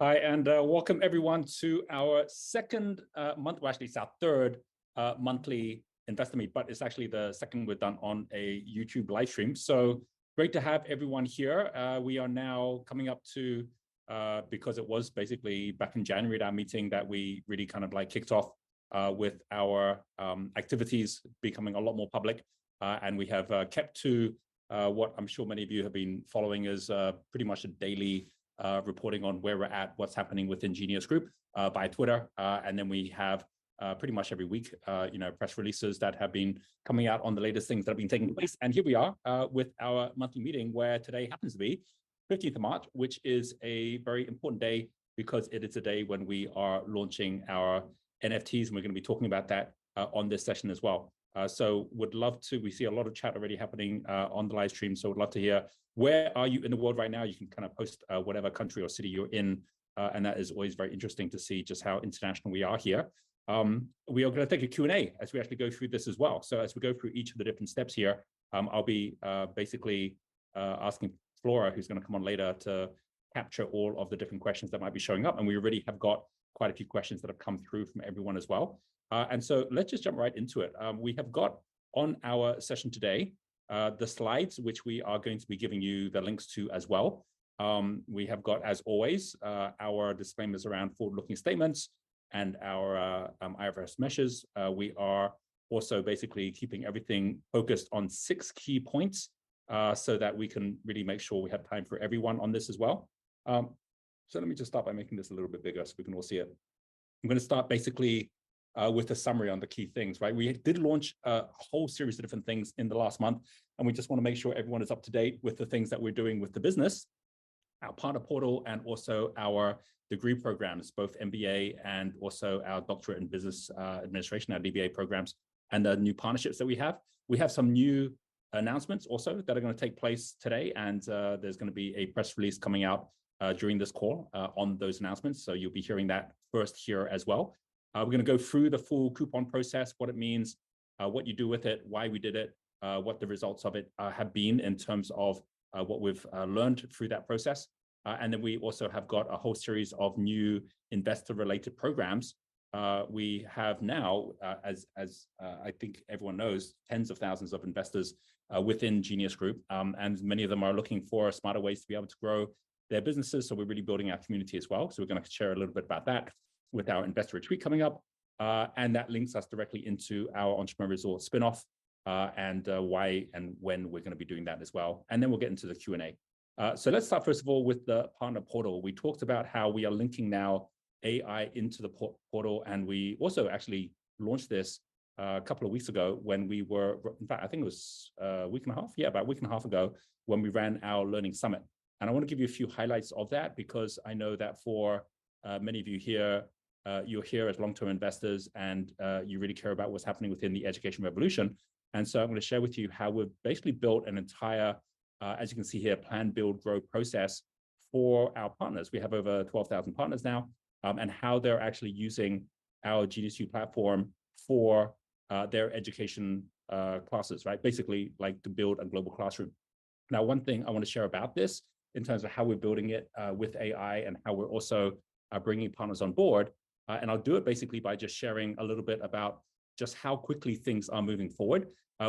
Hi, welcome everyone to our second, well, actually it's our third monthly investor meet, but it's actually the second we've done on a YouTube live stream. Great to have everyone here. We are now coming up to, because it was basically back in January at our meeting that we really kind of like kicked off with our activities becoming a lot more public. We have kept to what I'm sure many of you have been following is pretty much a daily reporting on where we're at, what's happening within Genius Group via Twitter. We have pretty much every week, you know, press releases that have been coming out on the latest things that have been taking place. Here we are with our monthly meeting where today happens to be fifteenth of March, which is a very important day because it is the day when we are launching our NFTs, and we're gonna be talking about that on this session as well. We see a lot of chat already happening on the live stream, so would love to hear where are you in the world right now? You can kind of post whatever country or city you're in, and that is always very interesting to see just how international we are here. We are gonna take a Q&A as we actually go through this as well. As we go through each of the different steps here, I'll be basically asking Flora, who's gonna come on later, to capture all of the different questions that might be showing up, and we already have got quite a few questions that have come through from everyone as well. Let's just jump right into it. We have got on our session today, the slides, which we are going to be giving you the links to as well. We have got, as always, our disclaimers around forward-looking statements and our IFRS measures. We are also basically keeping everything focused on six key points, so that we can really make sure we have time for everyone on this as well. Let me just start by making this a little bit bigger so we can all see it. I'm gonna start basically with a summary on the key things, right? We did launch a whole series of different things in the last month, and we just wanna make sure everyone is up to date with the things that we're doing with the business, our partner portal, and also our degree programs, both MBA and also our Doctorate in Business Administration, our BBA programs, and the new partnerships that we have. We have some new announcements also that are gonna take place today, and there's gonna be a press release coming out during this call on those announcements, you'll be hearing that first here as well. We're gonna go through the full coupon process, what it means, what you do with it, why we did it, what the results of it have been in terms of what we've learned through that process. We also have got a whole series of new investor-related programs. We have now, as I think everyone knows, tens of thousands of investors within Genius Group, and many of them are looking for smarter ways to be able to grow their businesses, so we're really building our community as well. We're gonna share a little bit about that with our investor retreat coming up. That links us directly into our Entrepreneur Resorts spinoff, and why and when we're gonna be doing that as well. We'll get into the Q&A. Let's start first of all with the partner portal. We talked about how we are linking now AI into the portal, and we also actually launched this a couple of weeks ago when we were. In fact, I think it was a week and a half. Yeah, about a week and a half ago when we ran our learning summit. I wanna give you a few highlights of that because I know that for many of you here, you're here as long-term investors, and you really care about what's happening within the education revolution. I'm gonna share with you how we've basically built an entire, as you can see here, plan, build, grow process for our partners. We have over 12,000 partners now, how they're actually using our GeniusU platform for their education classes, right? Basically, like, to build a global classroom. One thing I wanna share about this in terms of how we're building it with AI and how we're also bringing partners on board, I'll do it basically by just sharing a little bit about just how quickly things are moving forward.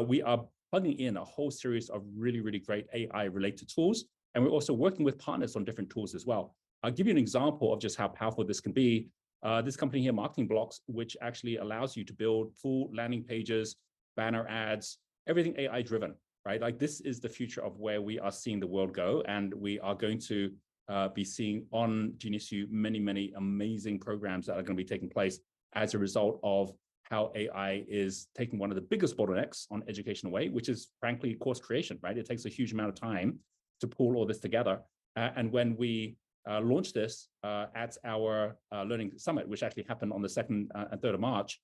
We are plugging in a whole series of really, really great AI-related tools, and we're also working with partners on different tools as well. I'll give you an example of just how powerful this can be. This company here, MarketingBlocks, which actually allows you to build full landing pages, banner ads, everything AI-driven, right? Like, this is the future of where we are seeing the world go. We are going to be seeing on GeniusU many, many amazing programs that are gonna be taking place as a result of how AI is taking one of the biggest bottlenecks on education away, which is frankly course creation, right? It takes a huge amount of time to pull all this together. When we launched this at our learning summit, which actually happened on the second and third of March,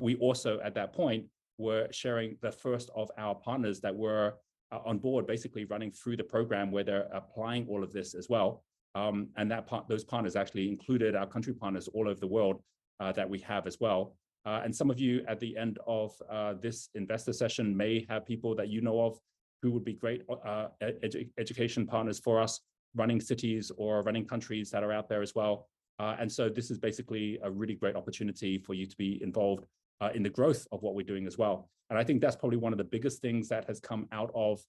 we also at that point were sharing the first of our partners that were on board basically running through the program where they're applying all of this as well. Those partners actually included our country partners all over the world that we have as well. Some of you at the end of this investor session may have people that you know of who would be great education partners for us, running cities or running countries that are out there as well. This is basically a really great opportunity for you to be involved in the growth of what we're doing as well. I think that's probably one of the biggest things that has come out of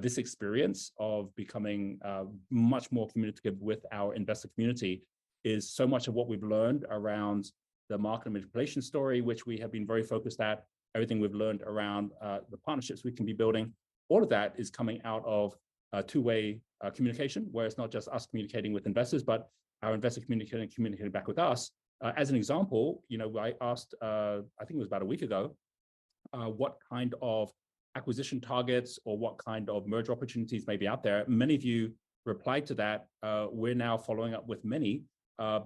this experience of becoming much more communicative with our investor community, is so much of what we've learned around the market manipulation story, which we have been very focused at, everything we've learned around the partnerships we can be building. All of that is coming out of a two-way communication, where it's not just us communicating with investors, but our investors communicating back with us. As an example, you know, I asked, I think it was about a week ago, what kind of acquisition targets or what kind of merger opportunities may be out there. Many of you replied to that. We're now following up with many,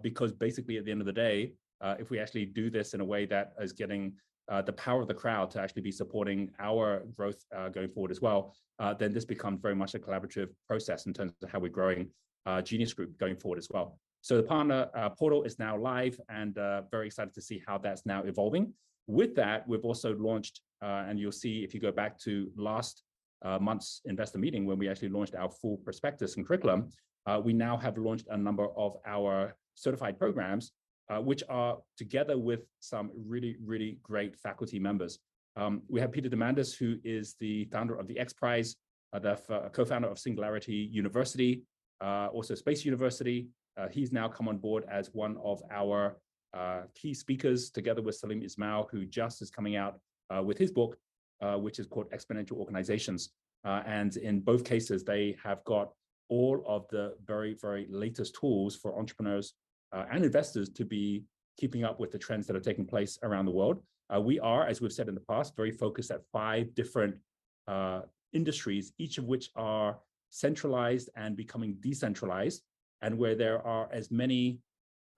because basically, at the end of the day, if we actually do this in a way that is getting the power of the crowd to actually be supporting our growth, going forward as well, then this becomes very much a collaborative process in terms of how we're growing, Genius Group going forward as well. The partner portal is now live, and very excited to see how that's now evolving. With that, we've also launched, and you'll see if you go back to last month's investor meeting when we actually launched our full prospectus and curriculum, we now have launched a number of our certified programs, which are together with some really, really great faculty members. We have Peter Diamandis, who is the founder of the XPRIZE, the cofounder of Singularity University. Also Space University. He's now come on board as one of our key speakers together with Salim Ismail, who just is coming out with his book, which is called "Exponential Organizations." In both cases, they have got all of the very, very latest tools for entrepreneurs and investors to be keeping up with the trends that are taking place around the world. We are, as we've said in the past, very focused at five different industries, each of which are centralized and becoming decentralized, and where there are as many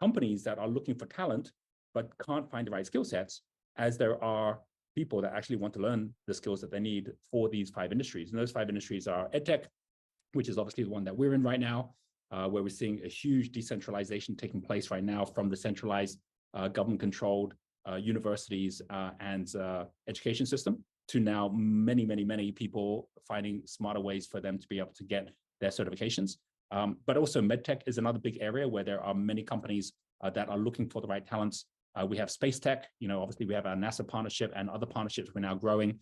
companies that are looking for talent but can't find the right skill sets, as there are people that actually want to learn the skills that they need for these five industries. Those five industries are EdTech, which is obviously the one that we're in right now, where we're seeing a huge decentralization taking place right now from the centralized government-controlled universities, and education system to now many, many, many people finding smarter ways for them to be able to get their certifications. Also MedTech is another big area where there are many companies that are looking for the right talents. We have SpaceTech. You know, obviously, we have our NASA partnership and other partnerships we're now growing.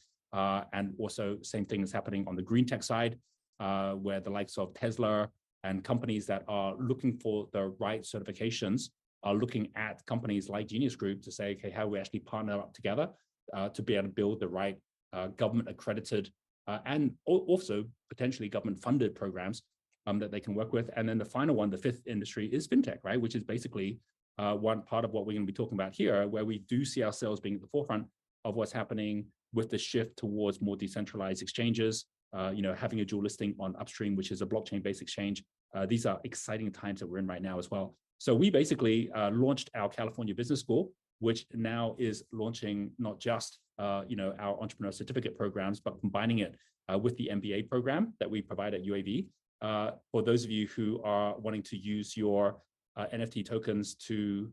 Also same thing is happening on the Green Tech side, where the likes of Tesla and companies that are looking for the right certifications are looking at companies like Genius Group to say, "Okay, how do we actually partner up together, to be able to build the right, government-accredited, and also potentially government-funded programs, that they can work with." The final one, the fifth industry is Fintech, right, which is basically, one part of what we're gonna be talking about here, where we do see ourselves being at the forefront of what's happening with the shift towards more decentralized exchanges, you know, having a dual listing on Upstream, which is a blockchain-based exchange. These are exciting times that we're in right now as well. We basically launched our California Business School, which now is launching not just, you know, our entrepreneur certificate programs, but combining it with the MBA program that we provide at UAV. For those of you who are wanting to use your NFT tokens to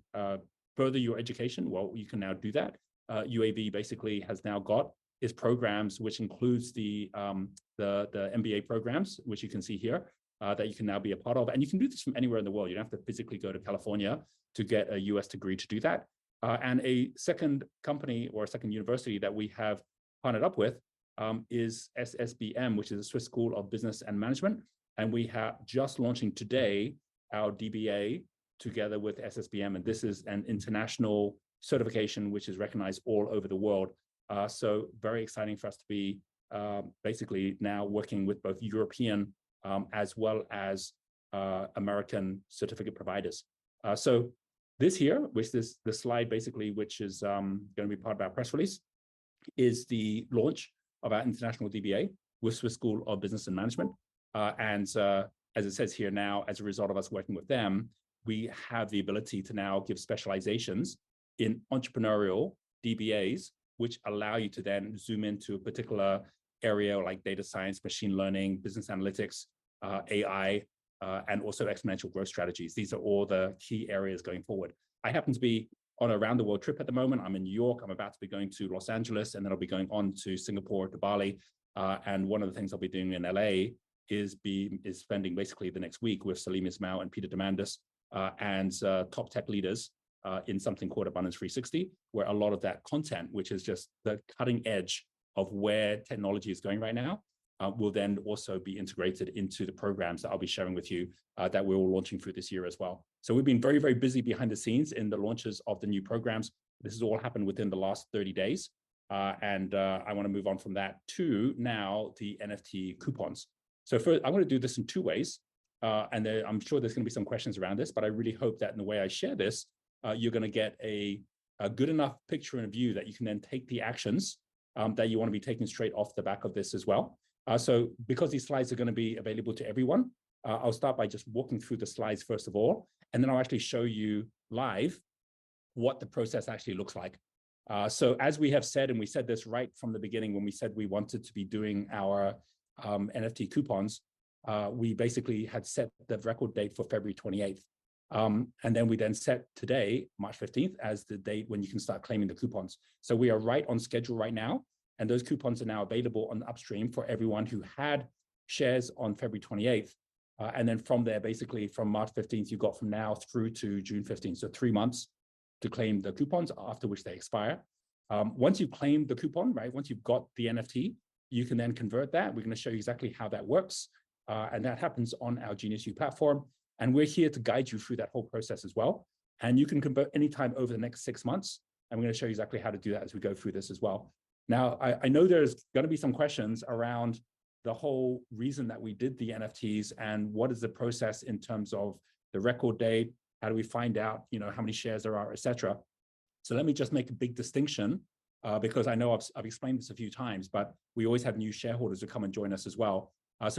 further your education, well, you can now do that. UAV basically has now got its programs, which includes the MBA programs, which you can see here, that you can now be a part of. You can do this from anywhere in the world. You don't have to physically go to California to get a U.S. degree to do that. A second company or a second university that we have partnered up with is SSBM, which is the Swiss School of Business and Management. We have just launching today our DBA together with SSBM. This is an international certification which is recognized all over the world. Very exciting for us to be basically now working with both European as well as American certificate providers. This here, this slide basically, which is going to be part of our press release, is the launch of our international DBA with Swiss School of Business and Management. As it says here now, as a result of us working with them, we have the ability to now give specializations in entrepreneurial DBAs, which allow you to then zoom into a particular area like data science, machine learning, business analytics, AI, and also exponential growth strategies. These are all the key areas going forward. I happen to be on a round-the-world trip at the moment. I'm in New York. I'm about to be going to Los Angeles, and then I'll be going on to Singapore, to Bali. One of the things I'll be doing in L.A. is spending basically the next week with Salim Ismail and Peter Diamandis, top tech leaders, in something called Abundance 360, where a lot of that content, which is just the cutting edge of where technology is going right now, will then also be integrated into the programs that I'll be sharing with you, that we're launching through this year as well. We've been very, very busy behind the scenes in the launches of the new programs. This has all happened within the last 30 days. I wanna move on from that to now the NFT coupons. First, I wanna do this in two ways, and then I'm sure there's gonna be some questions around this, but I really hope that in the way I share this, you're gonna get a good enough picture and view that you can then take the actions that you wanna be taking straight off the back of this as well. Because these slides are gonna be available to everyone, I'll start by just walking through the slides first of all, and then I'll actually show you live what the process actually looks like. As we have said, and we said this right from the beginning when we said we wanted to be doing our NFT coupons, we basically had set the record date for February 28th. We then set today, March 15th, as the date when you can start claiming the coupons. We are right on schedule right now, and those coupons are now available on Upstream for everyone who had shares on February 28th. From there, basically from March 15th, you've got from now through to June 15th, so three months to claim the coupons, after which they expire. Once you've claimed the coupon, right, once you've got the NFT, you can then convert that. We're gonna show you exactly how that works, and that happens on our GeniusU platform, and we're here to guide you through that whole process as well. You can convert any time over the next six months. I'm gonna show you exactly how to do that as we go through this as well. I know there's gonna be some questions around the whole reason that we did the NFTs and what is the process in terms of the record date, how do we find out, you know, how many shares there are, et cetera. Let me just make a big distinction, because I know I've explained this a few times, but we always have new shareholders who come and join us as well.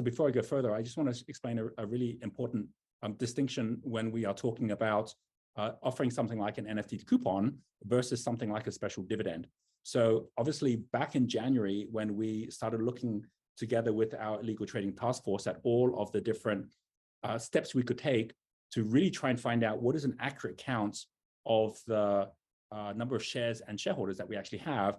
Before I go further, I just wanna explain a really important distinction when we are talking about offering something like an NFT coupon versus something like a special dividend. Obviously, back in January, when we started looking together with our illegal trading task force at all of the different steps we could take to really try and find out what is an accurate count of the number of shares and shareholders that we actually have,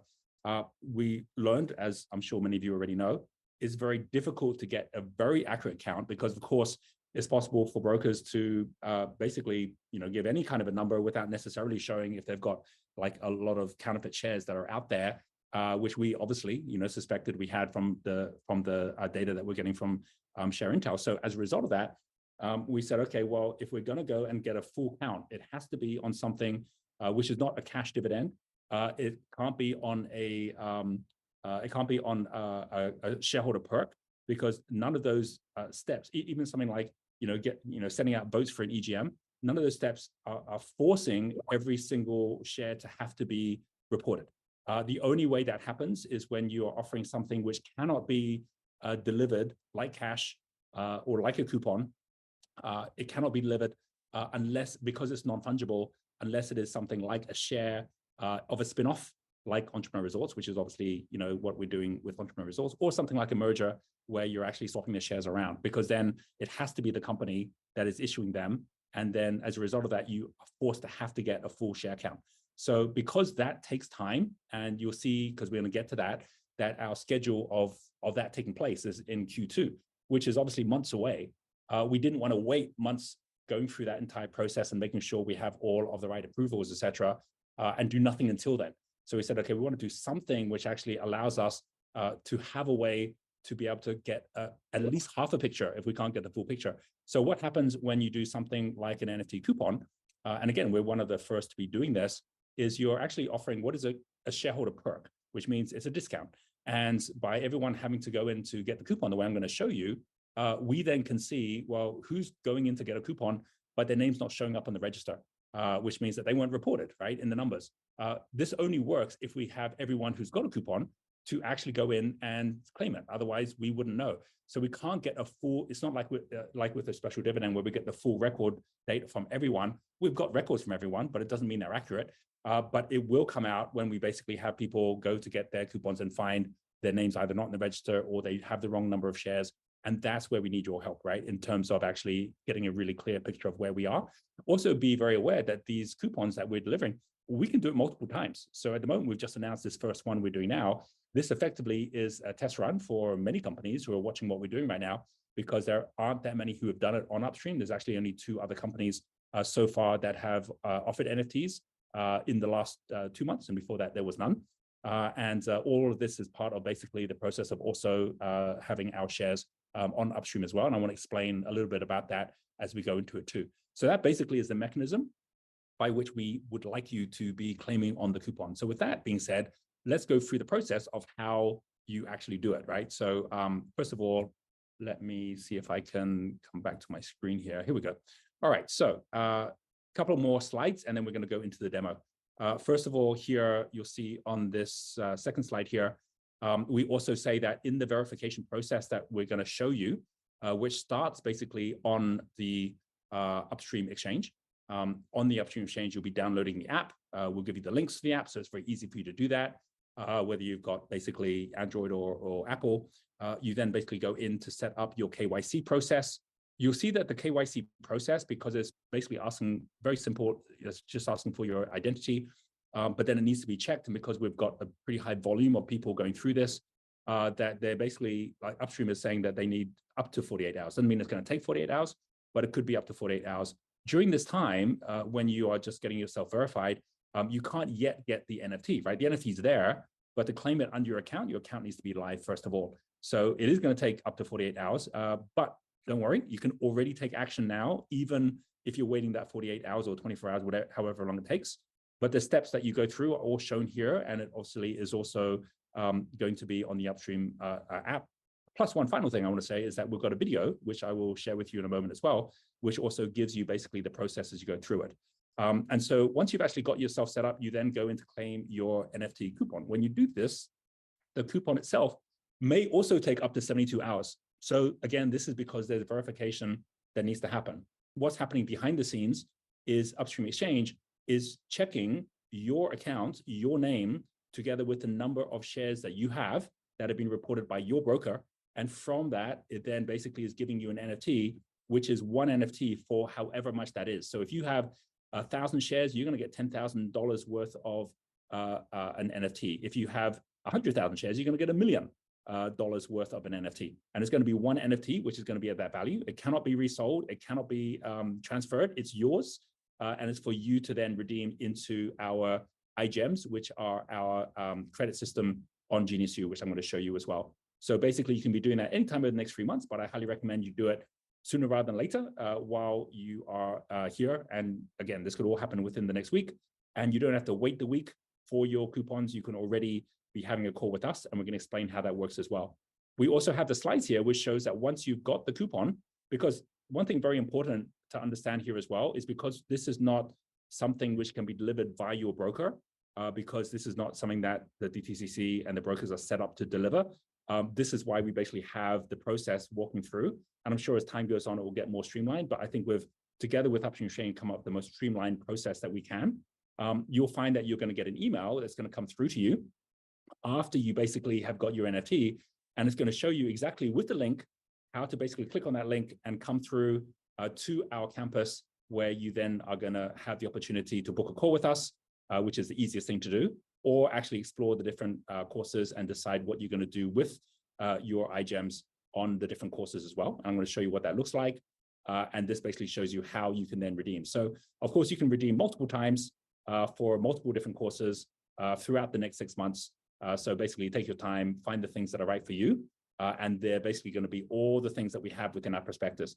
we learned, as I'm sure many of you already know, it's very difficult to get a very accurate count because of course, it's possible for brokers to basically, you know, give any kind of a number without necessarily showing if they've got, like, a lot of counterfeit shares that are out there, which we obviously, you know, suspected we had from the data that we're getting from ShareIntel. As a result of that, we said, okay, well, if we're gonna go and get a full count, it has to be on something which is not a cash dividend. It can't be on a shareholder perk because none of those steps, even something like, you know, sending out votes for an EGM, none of those steps are forcing every single share to have to be reported. The only way that happens is when you are offering something which cannot be delivered like cash or like a coupon. It cannot be delivered, unless because it's non-fungible, unless it is something like a share of a spin-off, like Entrepreneur Resorts, which is obviously, you know, what we're doing with Entrepreneur Resorts or something like a merger where you're actually swapping the shares around because then it has to be the company that is issuing them. As a result of that, you are forced to have to get a full share count. Because that takes time and you'll see, 'cause we're gonna get to that our schedule of that taking place is in Q2, which is obviously months away. We didn't wanna wait months going through that entire process and making sure we have all of the right approvals, et cetera, and do nothing until then. We said, okay, we want to do something which actually allows us to have a way to be able to get at least half a picture if we can't get the full picture. What happens when you do something like an NFT coupon, and again, we're one of the first to be doing this, is you're actually offering what is a shareholder perk, which means it's a discount. By everyone having to go in to get the coupon the way I'm gonna show you, we then can see, well, who's going in to get a coupon, but their name's not showing up on the register, which means that they weren't reported, right, in the numbers. This only works if we have everyone who's got a coupon to actually go in and claim it. Otherwise, we wouldn't know. It's not like with, like with a special dividend where we get the full record data from everyone. We've got records from everyone, but it doesn't mean they're accurate. It will come out when we basically have people go to get their coupons and find their names either not in the register or they have the wrong number of shares. That's where we need your help, right? In terms of actually getting a really clear picture of where we are. Also, be very aware that these coupons that we're delivering, we can do it multiple times. At the moment, we've just announced this first one we're doing now. This effectively is a test run for many companies who are watching what we're doing right now because there aren't that many who have done it on Upstream. There's actually only two other companies so far that have offered NFTs in the last two months, and before that there was none. All of this is part of basically the process of also having our shares on Upstream as well, and I wanna explain a little bit about that as we go into it too. That basically is the mechanism by which we would like you to be claiming on the coupon. With that being said, let's go through the process of how you actually do it, right? First of all, let me see if I can come back to my screen here. Here we go. All right. Couple more slides, and then we're gonna go into the demo. First of all, here you'll see on this second slide here, we also say that in the verification process that we're gonna show you, which starts basically on the Upstream Exchange. On the Upstream Exchange, you'll be downloading the app. We'll give you the links to the app, so it's very easy for you to do that, whether you've got basically Android or Apple. You then basically go in to set up your KYC process. You'll see that the KYC process, because it's basically asking it's just asking for your identity, but then it needs to be checked. Because we've got a pretty high volume of people going through this, that they're like Upstream is saying that they need up to 48 hours. Doesn't mean it's gonna take 48 hours, but it could be up to 48 hours. During this time, when you are just getting yourself verified, you can't yet get the NFT, right? The NFT is there, but to claim it under your account, your account needs to be live first of all. It is gonna take up to 48 hours. Don't worry, you can already take action now, even if you're waiting that 48 hours or 24 hours, whatever, however long it takes. The steps that you go through are all shown here, and it obviously is also going to be on the Upstream app. One final thing I wanna say is that we've got a video which I will share with you in a moment as well, which also gives you basically the process as you go through it. Once you've actually got yourself set up, you go in to claim your NFT coupon. When you do this, the coupon itself may also take up to 72 hours. Again, this is because there's verification that needs to happen. What's happening behind the scenes is Upstream Exchange is checking your account, your name, together with the number of shares that you have that have been reported by your broker. It then basically is giving you an NFT, which is one NFT for however much that is. If you have 1,000 shares, you're gonna get $10,000 worth of an NFT. If you have 100,000 shares, you're gonna get $1 million worth of an NFT, and it's gonna be one NFT, which is gonna be at that value. It cannot be resold. It cannot be transferred. It's yours, and it's for you to then redeem into our iGems, which are our credit system on GeniusU, which I'm gonna show you as well. Basically, you can be doing that any time over the next three months, but I highly recommend you do it sooner rather than later, while you are here. Again, this could all happen within the next week, and you don't have to wait the week for your coupons. You can already be having a call with us, and we're gonna explain how that works as well. We also have the slides here, which shows that once you've got the coupon. One thing very important to understand here as well is because this is not something which can be delivered via your broker, because this is not something that the DTCC and the brokers are set up to deliver, this is why we basically have the process walking through. I'm sure as time goes on, it will get more streamlined. I think we've, together with Upstream Exchange, come up with the most streamlined process that we can. You'll find that you're gonna get an email that's gonna come through to you after you basically have got your NFT, and it's gonna show you exactly with the link how to basically click on that link and come through to our campus, where you then are gonna have the opportunity to book a call with us, which is the easiest thing to do, or actually explore the different courses and decide what you're gonna do with your iGEMs on the different courses as well. I'm gonna show you what that looks like. This basically shows you how you can then redeem. Of course, you can redeem multiple times for multiple different courses throughout the next six months. Basically take your time, find the things that are right for you, and they're basically gonna be all the things that we have within our prospectus.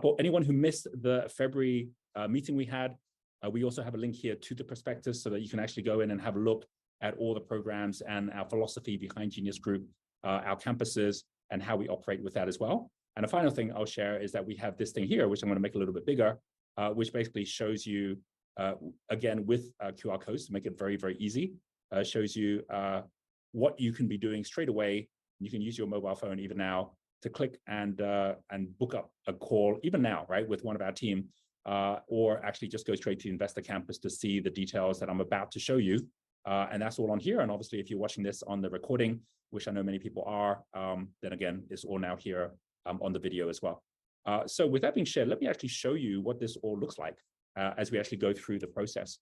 For anyone who missed the February meeting, we also have a link here to the prospectus so that you can actually go in and have a look at all the programs and our philosophy behind Genius Group, our campuses and how we operate with that as well. The final thing I'll share is that we have this thing here, which I'm gonna make a little bit bigger, which basically shows you, again, with a QR code to make it very, very easy, shows you, what you can be doing straight away, and you can use your mobile phone even now to click and book up a call even now, right, with one of our team. Actually just go straight to Investor Campus to see the details that I'm about to show you. That's all on here. Obviously, if you're watching this on the recording, which I know many people are, then again, it's all now here, on the video as well. With that being shared, let me actually show you what this all looks like as we actually go through the process.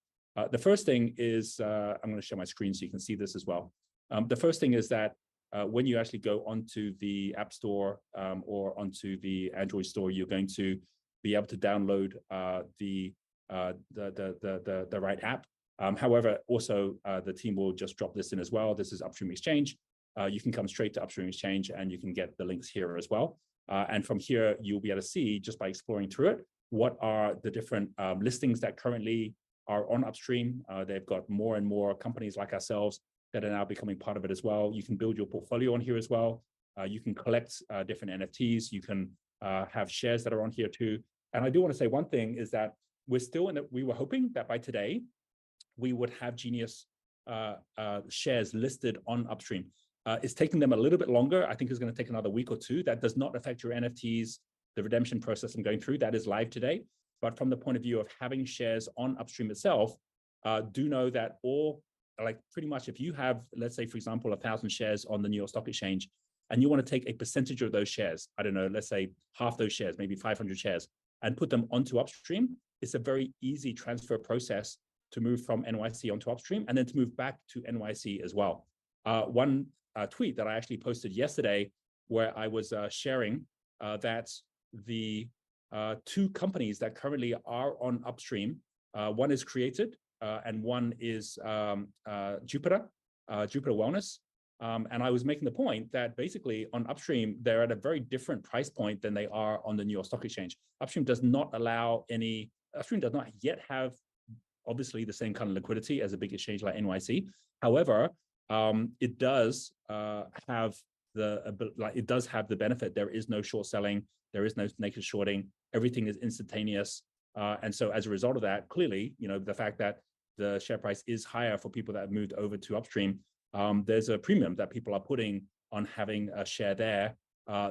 The first thing is. I'm gonna share my screen so you can see this as well. The first thing is that when you actually go onto the App Store, or onto the Android Store, you're going to be able to download the right app. However, also, the team will just drop this in as well. This is Upstream Exchange. You can come straight to Upstream Exchange, and you can get the links here as well. From here you'll be able to see, just by exploring through it, what are the different listings that currently are on Upstream. They've got more and more companies like ourselves that are now becoming part of it as well. You can build your portfolio on here as well. You can collect different NFTs. You can have shares that are on here too. I do wanna say one thing, is that we're still We were hoping that by today we would have Genius shares listed on Upstream. It's taking them a little bit longer. I think it's gonna take another week or two. That does not affect your NFTs, the redemption process I'm going through. That is live today. From the point of view of having shares on Upstream itself, do know that all, like pretty much if you have, let's say, for example, 1,000 shares on the New York Stock Exchange and you wanna take a percentage of those shares, I don't know, let's say half those shares, maybe 500 shares, and put them onto Upstream, it's a very easy transfer process to move from NYC onto Upstream and then to move back to NYC as well. One tweet that I actually posted yesterday where I was sharing that the two companies that currently are on Upstream, one is Created, and one is Jupiter Wellness, and I was making the point that basically on Upstream they're at a very different price point than they are on the New York Stock Exchange. Upstream does not yet have obviously the same kind of liquidity as a big exchange like NYC. However, it does have the benefit there is no short selling, there is no naked shorting. Everything is instantaneous. As a result of that clearly, you know, the fact that the share price is higher for people that have moved over to Upstream, there's a premium that people are putting on having a share there,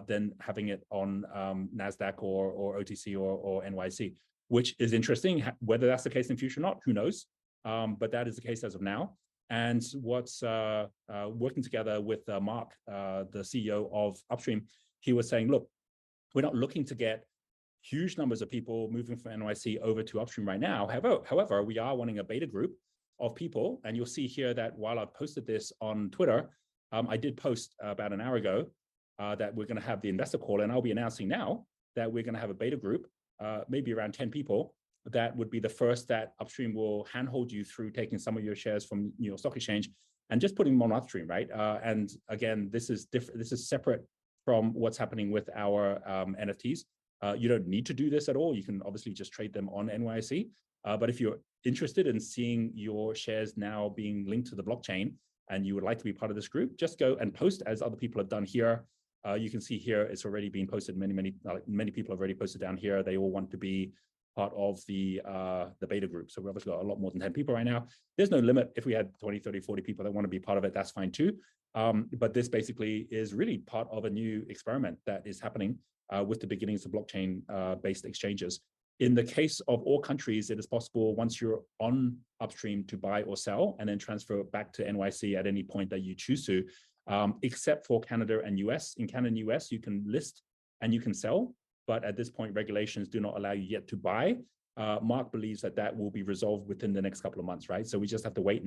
than having it on Nasdaq or OTC or NYC. Which is interesting. Whether that's the case in future or not, who knows? That is the case as of now. What's working together with Mark, the CEO of Upstream, he was saying, "Look, we're not looking to get huge numbers of people moving from NYC over to Upstream right now. However, we are wanting a beta group of people." You'll see here that while I've posted this on Twitter, I did post about an hour ago that we're gonna have the investor call, and I'll be announcing now that we're gonna have a beta group, maybe around 10 people, that would be the first that Upstream will handhold you through taking some of your shares from New York Stock Exchange and just putting them on Upstream, right? Again, this is separate from what's happening with our NFTs. You don't need to do this at all. You can obviously just trade them on NYC. If you're interested in seeing your shares now being linked to the blockchain and you would like to be part of this group, just go and post as other people have done here. You can see here it's already been posted many, like many people have already posted down here. They all want to be part of the beta group. We've obviously got a lot more than 10 people right now. There's no limit. If we had 20, 30, 40 people that wanna be part of it, that's fine too. This basically is really part of a new experiment that is happening with the beginnings of blockchain-based exchanges. In the case of all countries, it is possible once you're on Upstream to buy or sell and then transfer back to NYC at any point that you choose to, except for Canada and U.S. In Canada and U.S., you can list and you can sell, but at this point, regulations do not allow you yet to buy. Mark believes that that will be resolved within the next couple of months, right? We just have to wait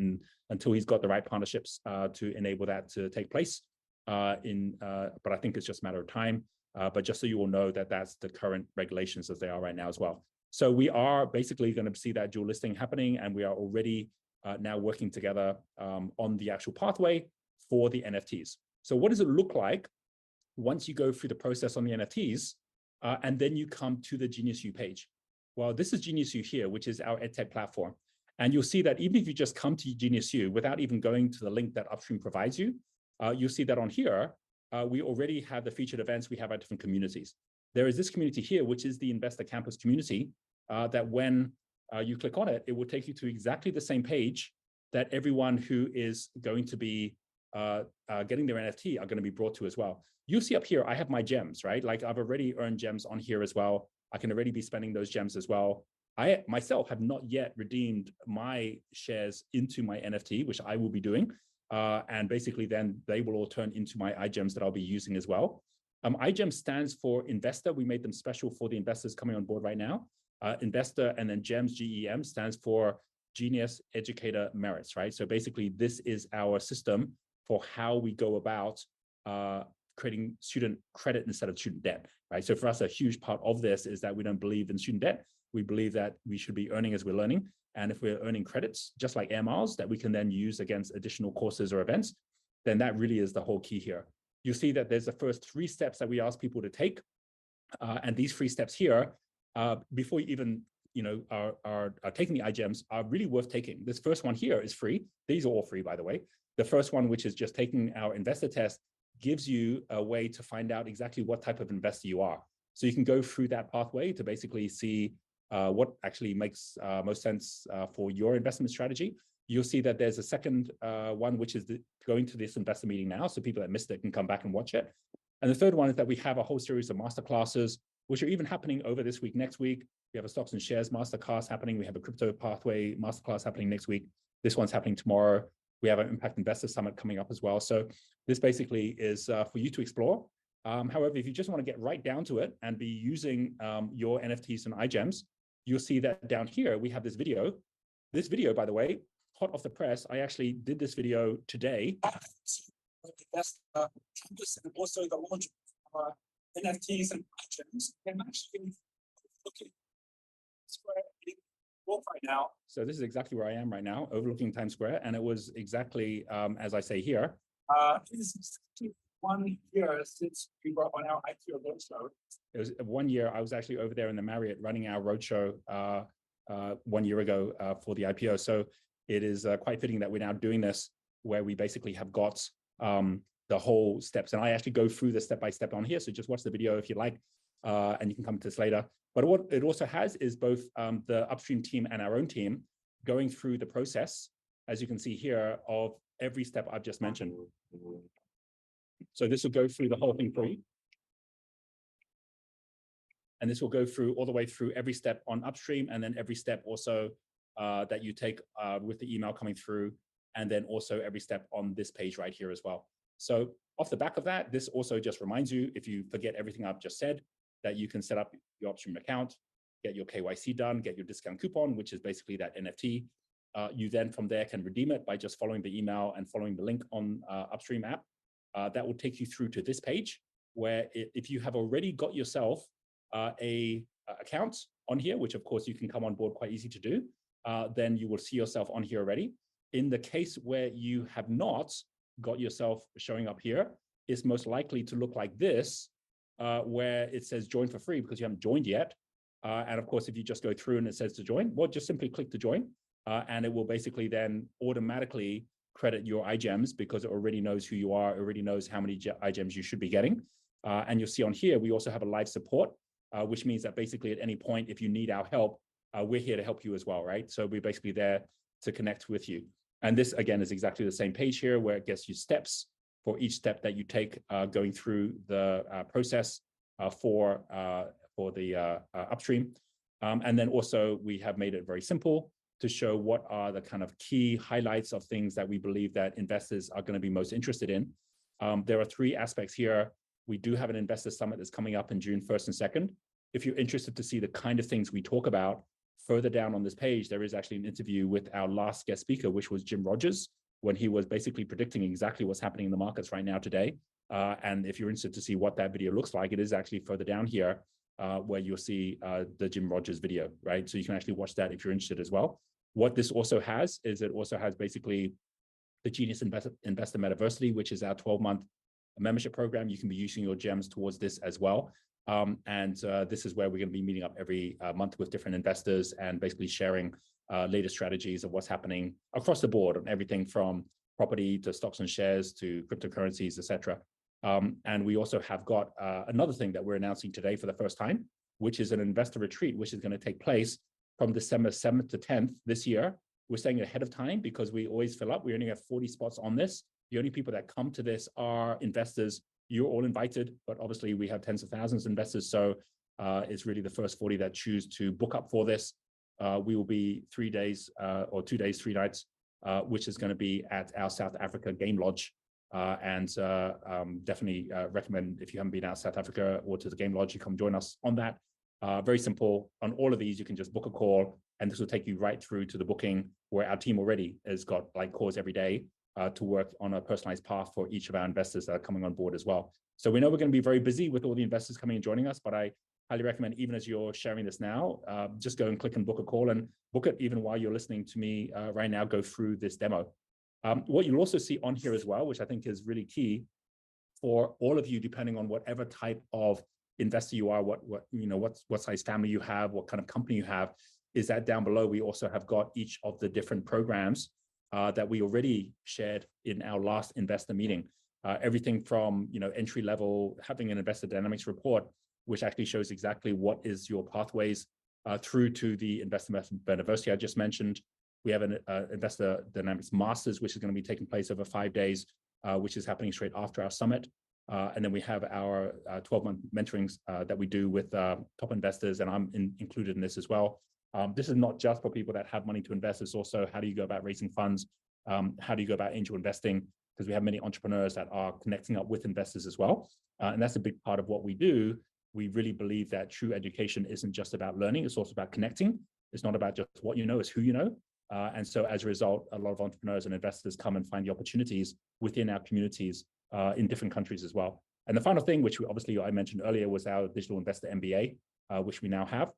until he's got the right partnerships to enable that to take place. I think it's just a matter of time. Just so you all know that that's the current regulations as they are right now as well. We are basically gonna see that dual listing happening, and we are already now working together on the actual pathway for the NFTs. What does it look like once you go through the process on the NFTs, and then you come to the GeniusU page? Well, this is GeniusU here, which is our EdTech platform. You'll see that even if you just come to GeniusU without even going to the link that Upstream provides you'll see that on here, we already have the featured events, we have our different communities. There is this community here, which is the Investor Campus community, that when you click on it will take you to exactly the same page that everyone who is going to be getting their NFT are gonna be brought to as well. You'll see up here I have my GEMs, right? Like, I've already earned GEMs on here as well. I can already be spending those GEMs as well. I, myself, have not yet redeemed my shares into my NFT, which I will be doing. Basically then they will all turn into my iGEMs that I'll be using as well. iGEM stands for Investor. We made them special for the investors coming on board right now. Investor, then GEMs, G-E-M, stands for Genius Educator Merits, right? Basically, this is our system for how we go about creating student credit instead of student debt, right? For us, a huge part of this is that we don't believe in student debt. We believe that we should be earning as we're learning. If we're earning credits, just like air miles, that we can then use against additional courses or events, then that really is the whole key here. You'll see that there's the first three steps that we ask people to take. These three steps here, before you even, you know, taking the iGEMs are really worth taking. This first one here is free. These are all free, by the way. The first one, which is just taking our investor test, gives you a way to find out exactly what type of investor you are. You can go through that pathway to basically see what actually makes most sense for your investment strategy. You'll see that there's a second one, which is the going to this investor meeting now, so people that missed it can come back and watch it. The third one is that we have a whole series of masterclasses which are even happening over this week, next week. We have a stocks and shares masterclass happening, we have a crypto pathway masterclass happening next week. This one's happening tomorrow. We have an impact investor summit coming up as well. This basically is for you to explore. However, if you just wanna get right down to it and be using your NFTs and iGEMs, you'll see that down here we have this video. This video, by the way, hot off the press, I actually did this video today. Also the launch of our NFTs and iGEMs. I'm actually looking right now. This is exactly where I am right now, overlooking Times Square, and it was exactly as I say here. It is one year since we were up on our IPO roadshow. It was one year, I was actually over there in the Marriott running our roadshow, one year ago, for the IPO. It is quite fitting that we're now doing this where we basically have got the whole steps. I actually go through the step-by-step on here, so just watch the video if you'd like, and you can come to this later. What it also has is both the Upstream team and our own team going through the process, as you can see here, of every step I've just mentioned. This will go through the whole thing for you. This will go through, all the way through every step on Upstream, and then every step also that you take with the email coming through, and then also every step on this page right here as well. Off the back of that, this also just reminds you, if you forget everything I've just said, that you can set up your Upstream account, get your KYC done, get your discount coupon, which is basically that NFT. You then from there can redeem it by just following the email and following the link on Upstream app. That will take you through to this page where if you have already got yourself a account on here, which of course you can come on board, quite easy to do, then you will see yourself on here already. In the case where you have not got yourself showing up here, it's most likely to look like this, where it says join for free because you haven't joined yet. Of course, if you just go through and it says to join, well, just simply click the join, and it will basically then automatically credit your iGEMs because it already knows who you are, it already knows how many iGEMs you should be getting. You'll see on here, we also have a live support, which means that basically at any point, if you need our help, we're here to help you as well, right. We're basically there to connect with you. This, again, is exactly the same page here where it gets you steps for each step that you take, going through the process for the Upstream. Also we have made it very simple to show what are the kind of key highlights of things that we believe that investors are gonna be most interested in. There are three aspects here. We do have an investor summit that's coming up in June first and second. If you're interested to see the kind of things we talk about, further down on this page, there is actually an interview with our last guest speaker, which was Jim Rogers, when he was basically predicting exactly what's happening in the markets right now today. If you're interested to see what that video looks like, it is actually further down here, where you'll see the Jim Rogers video, right? You can actually watch that if you're interested as well. What this also has is it also has basically the Genius Investor Metaversity, which is our 12-month membership program. You can be using your iGEMs towards this as well. This is where we're gonna be meeting up every month with different investors and basically sharing latest strategies of what's happening across the board on everything from property, to stocks and shares, to cryptocurrencies, et cetera. We also have got another thing that we're announcing today for the first time, which is an investor retreat, which is gonna take place from December 7th to 10th this year. We're saying it ahead of time because we always fill up. We only have 40 spots on this. The only people that come to this are investors. You're all invited, but obviously we have tens of thousands of investors, so it's really the first 40 that choose to book up for this. We will be three days, or two days, three nights, which is gonna be at our South Africa game lodge. Definitely recommend if you haven't been out South Africa or to the game lodge, you come join us on that. Very simple. On all of these, you can just book a call, and this will take you right through to the booking where our team already has got, like, calls every day, to work on a personalized path for each of our investors that are coming on board as well. We know we're gonna be very busy with all the investors coming and joining us, but I highly recommend, even as you're sharing this now, just go and click and book a call, and book it even while you're listening to me, right now go through this demo. What you'll also see on here as well, which I think is really key for all of you, depending on whatever type of investor you are, what, you know, what size family you have, what kind of company you have, is that down below we also have got each of the different programs that we already shared in our last investor meeting. Everything from, you know, entry level, having an Investor Dynamics Report, which actually shows exactly what is your pathways, through to the Investor Metaversity I just mentioned. We have an Investor Dynamics Masters, which is gonna be taking place over five days, which is happening straight after our summit. We have our 12-month mentorings that we do with top investors, and I'm included in this as well. This is not just for people that have money to invest. It's also how do you go about raising funds, how do you go about angel investing, 'cause we have many entrepreneurs that are connecting up with investors as well. That's a big part of what we do. We really believe that true education isn't just about learning, it's also about connecting. It's not about just what you know, it's who you know. As a result, a lot of entrepreneurs and investors come and find the opportunities within our communities, in different countries as well. The final thing, which we obviously I mentioned earlier, was our digital Investor MBA, which we now have.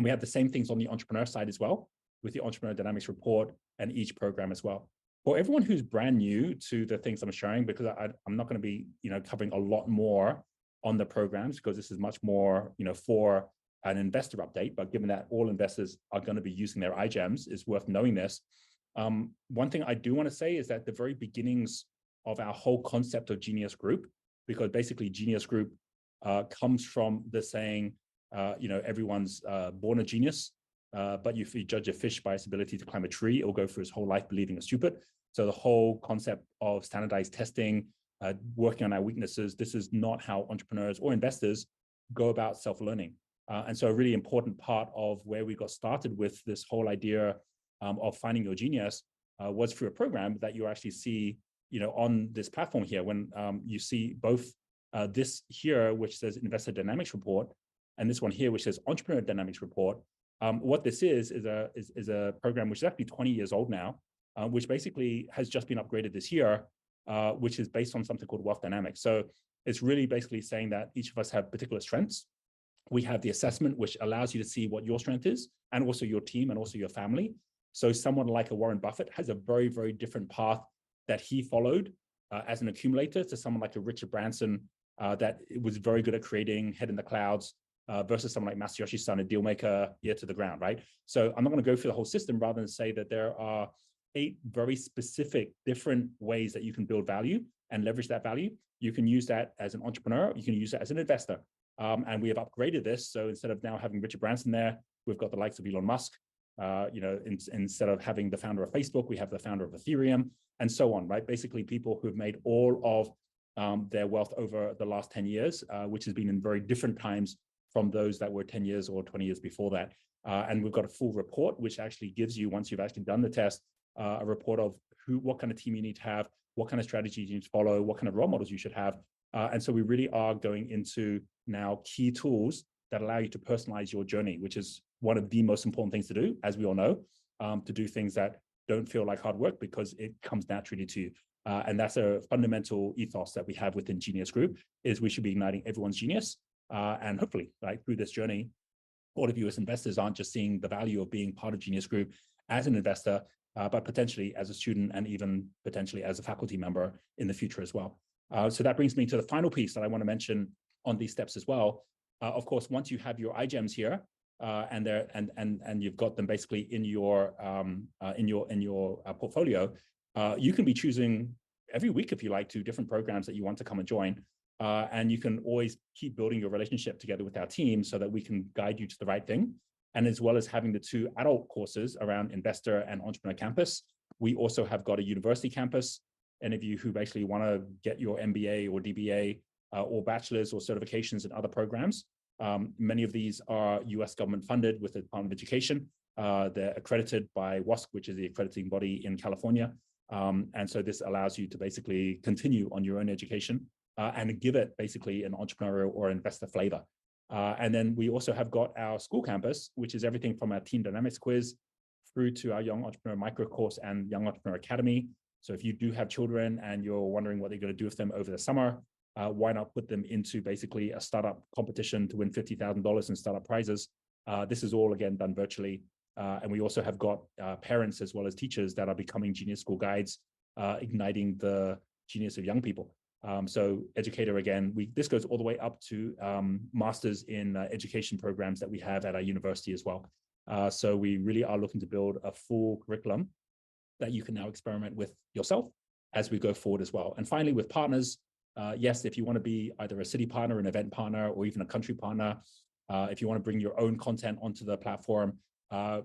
We have the same things on the entrepreneur side as well with the Entrepreneur Dynamics Report and each program as well. For everyone who's brand new to the things I'm sharing, because I'm not gonna be, you know, covering a lot more on the programs 'cause this is much more, you know, for an investor update. Given that all investors are gonna be using their iGEMs, it's worth knowing this. One thing I do wanna say is that the very beginnings of our whole concept of Genius Group, because basically Genius Group comes from the saying, you know, everyone's born a genius, but if you judge a fish by its ability to climb a tree, it'll go through its whole life believing it's stupid. The whole concept of standardized testing, working on our weaknesses, this is not how entrepreneurs or investors go about self-learning. A really important part of where we got started with this whole idea, of finding your genius, was through a program that you actually see, you know, on this platform here. You see both this here which says Investor Dynamics Report and this one here which says Entrepreneur Dynamics Report, what this is a program which is actually 20 years old now, which basically has just been upgraded this year, which is based on something called Wealth Dynamics. It's really basically saying that each of us have particular strengths. We have the assessment which allows you to see what your strength is and also your team and also your family. Someone like a Warren Buffett has a very, very different path that he followed, as an accumulator to someone like a Richard Branson, that was very good at creating, head in the clouds, versus someone like Masayoshi Son, a deal maker, ear to the ground, right? I'm not gonna go through the whole system rather than say that there are eight very specific different ways that you can build value and leverage that value. You can use that as an entrepreneur, you can use that as an investor. We have upgraded this, so instead of now having Richard Branson there, we've got the likes of Elon Musk. You know, instead of having the founder of Facebook, we have the founder of Ethereum and so on, right? Basically people who have made all of their wealth over the last 10 years, which has been in very different times from those that were 10 years or 20 years before that. We've got a full report which actually gives you, once you've actually done the test, a report of what kind of team you need to have, what kind of strategies you need to follow, what kind of role models you should have. We really are going into now key tools that allow you to personalize your journey, which is one of the most important things to do, as we all know, to do things that don't feel like hard work because it comes naturally to you. That's a fundamental ethos that we have within Genius Group, is we should be igniting everyone's genius. Hopefully, right, through this journey, all of you as investors aren't just seeing the value of being part of Genius Group as an investor, but potentially as a student and even potentially as a faculty member in the future as well. That brings me to the final piece that I wanna mention on these steps as well. Of course, once you have your iGEMs here, and you've got them basically in your portfolio, you can be choosing every week if you like to different programs that you want to come and join. You can always keep building your relationship together with our team so that we can guide you to the right thing. As well as having the two adult courses around Investor Campus and Entrepreneur Campus, we also have got a university campus. Any of you who basically want to get your MBA or DBA, or bachelor's or certifications in other programs, many of these are U.S. government funded with the Department of Education. They're accredited by WSCUC, which is the accrediting body in California. This allows you to basically continue on your own education and give it basically an entrepreneurial or investor flavor. We also have got our school campus, which is everything from our Teen Dynamics Quiz through to our Young Entrepreneur Microcourse and Young Entrepreneur Academy. If you do have children and you're wondering what you're gonna do with them over the summer, why not put them into basically a startup competition to win $50,000 in startup prizes? This is all again done virtually. And we also have got parents as well as teachers that are becoming Genius School guides, igniting the genius of young people. Educator again, this goes all the way up to master's in education programs that we have at our university as well. We really are looking to build a full curriculum that you can now experiment with yourself as we go forward as well. Finally, with partners, yes, if you wanna be either a city partner, an event partner, or even a country partner, if you wanna bring your own content onto the platform,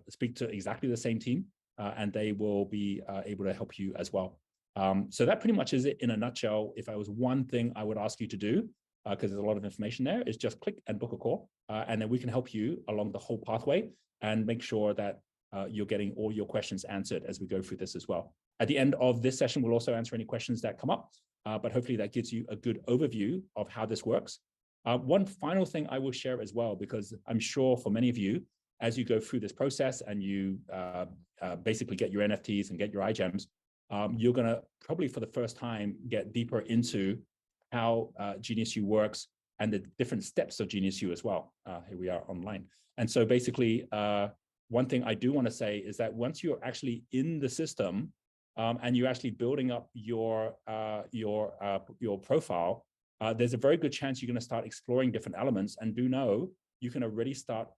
speak to exactly the same team, and they will be able to help you as well. That pretty much is it in a nutshell. If there was one thing I would ask you to do, 'cause there's a lot of information there, is just click and book a call, and then we can help you along the whole pathway and make sure that you're getting all your questions answered as we go through this as well. At the end of this session, we'll also answer any questions that come up, but hopefully that gives you a good overview of how this works. One final thing I will share as well, because I'm sure for many of you, as you go through this process and you basically get your NFTs and get your iGEMs, you're gonna probably for the first time get deeper into how GeniusU works and the different steps of GeniusU as well. Here we are online. Basically, one thing I do wanna say is that once you're actually in the system, and you're actually building up your profile, there's a very good chance you're gonna start exploring different elements. Do know you can already start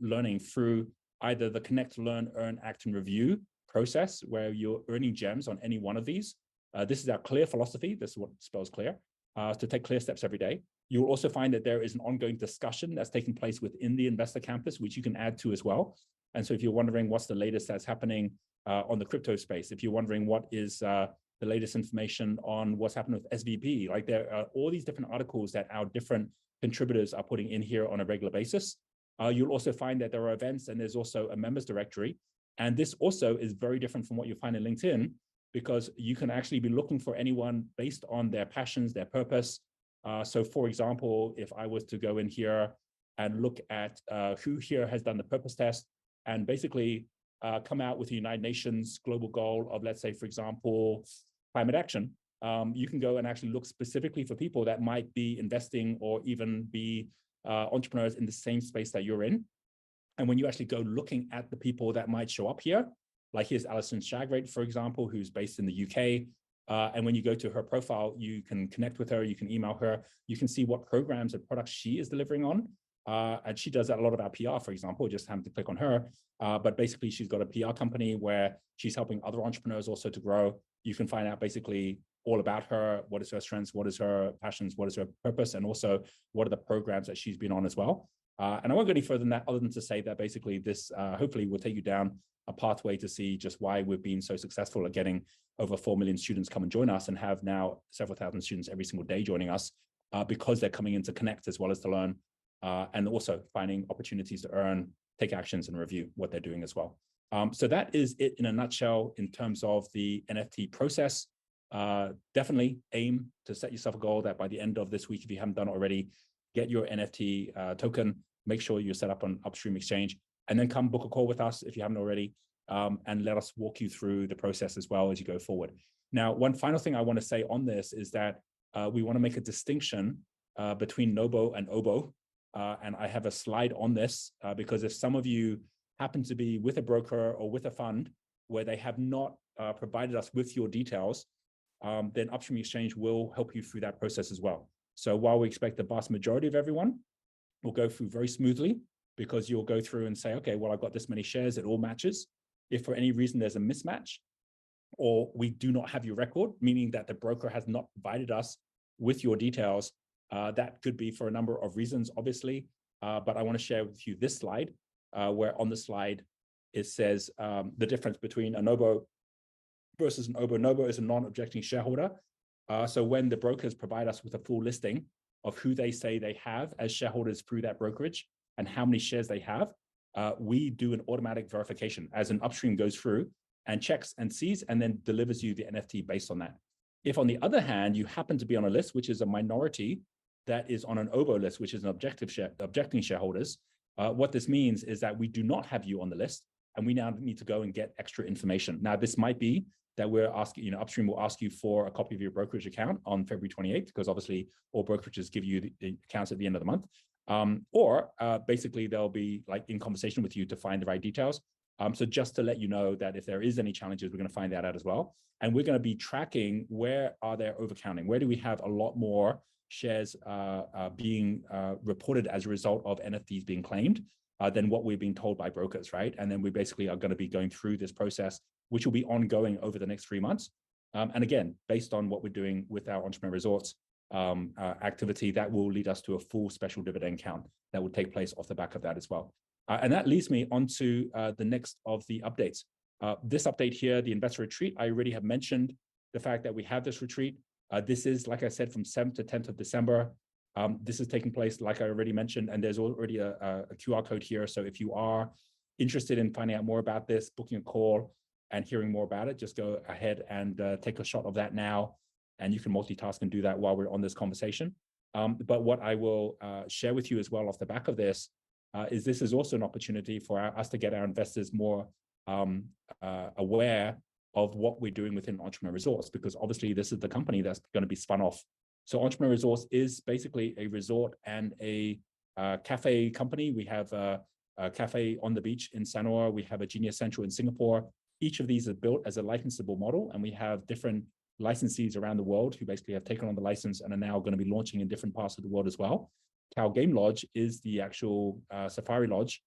learning through either the connect, learn, earn, act, and review process where you're earning gems on any one of these. This is our CLEAR philosophy. This is what spells CLEAR, so take CLEAR steps every day. You'll also find that there is an ongoing discussion that's taking place within the Investor Campus, which you can add to as well. If you're wondering what's the latest that's happening on the crypto space, if you're wondering what is the latest information on what's happened with SVB, like there are all these different articles that our different contributors are putting in here on a regular basis. You'll also find that there are events and there's also a members directory. This also is very different from what you'll find in LinkedIn because you can actually be looking for anyone based on their passions, their purpose. So for example, if I was to go in here and look at who here has done the purpose test. Basically, come out with the United Nations global goal of, let's say, for example, climate action. You can go and actually look specifically for people that might be investing or even be entrepreneurs in the same space that you're in. When you actually go looking at the people that might show up here, like here's Alison Suggett, for example, who's based in the U.K. When you go to her profile, you can connect with her, you can email her, you can see what programs or products she is delivering on. She does a lot about PR, for example, just having to click on her. Basically she's got a PR company where she's helping other entrepreneurs also to grow. You can find out basically all about her, what is her strengths, what is her passions, what is her purpose, and also what are the programs that she's been on as well. I won't go any further than that other than to say that basically this, hopefully will take you down a pathway to see just why we've been so successful at getting over 4 million students come and join us and have now several thousand students every single day joining us, because they're coming in to connect as well as to learn, and also finding opportunities to earn, take actions and review what they're doing as well. So that is it in a nutshell in terms of the NFT process. Definitely aim to set yourself a goal that by the end of this week, if you haven't done already, get your NFT token, make sure you're set up on Upstream Exchange, and then come book a call with us if you haven't already, and let us walk you through the process as well as you go forward. One final thing I wanna say on this is that we wanna make a distinction between NOBO and OBO, and I have a slide on this because if some of you happen to be with a broker or with a fund where they have not provided us with your details, then Upstream Exchange will help you through that process as well. While we expect the vast majority of everyone will go through very smoothly because you'll go through and say, "Okay, well, I've got this many shares, it all matches." If for any reason there's a mismatch or we do not have your record, meaning that the broker has not provided us with your details, that could be for a number of reasons, obviously. I want to share with you this slide, where on the slide it says, the difference between a NOBO versus an OBO. NOBO is a non-objecting shareholder. When the brokers provide us with a full listing of who they say they have as shareholders through that brokerage and how many shares they have, we do an automatic verification as an Upstream goes through and checks and sees and then delivers you the NFT based on that. If on the other hand, you happen to be on a list which is a minority that is on an OBO list, which is an objecting shareholders, what this means is that we do not have you on the list, we now need to go and get extra information. This might be that we're asking, you know, Upstream will ask you for a copy of your brokerage account on February 28th, because obviously all brokerages give you the accounts at the end of the month. Basically they'll be, like, in conversation with you to find the right details. Just to let you know that if there is any challenges, we're gonna find that out as well. We're gonna be tracking where are there overcounting, where do we have a lot more shares, being reported as a result of NFTs being claimed, than what we've been told by brokers, right? Then we basically are gonna be going through this process, which will be ongoing over the next three months. Again, based on what we're doing with our Entrepreneur Resorts activity, that will lead us to a full special dividend count that will take place off the back of that as well. That leads me on to the next of the updates. This update here, the investor retreat, I already have mentioned the fact that we have this retreat. This is, like I said, from seventh to tenth of December. This is taking place like I already mentioned, and there's already a QR code here. If you are interested in finding out more about this, booking a call and hearing more about it, just go ahead and take a shot of that now, and you can multitask and do that while we're on this conversation. What I will share with you as well off the back of this is this is also an opportunity for us to get our investors more aware of what we're doing within Entrepreneur Resorts, because obviously, this is the company that's gonna be spun off. Entrepreneur Resorts is basically a resort and a cafe company. We have a cafe on the beach in Sanur. We have a Genius Central in Singapore. Each of these are built as a licensable model. We have different licensees around the world who basically have taken on the license and are now gonna be launching in different parts of the world as well. Tau Game Lodge is the actual safari lodge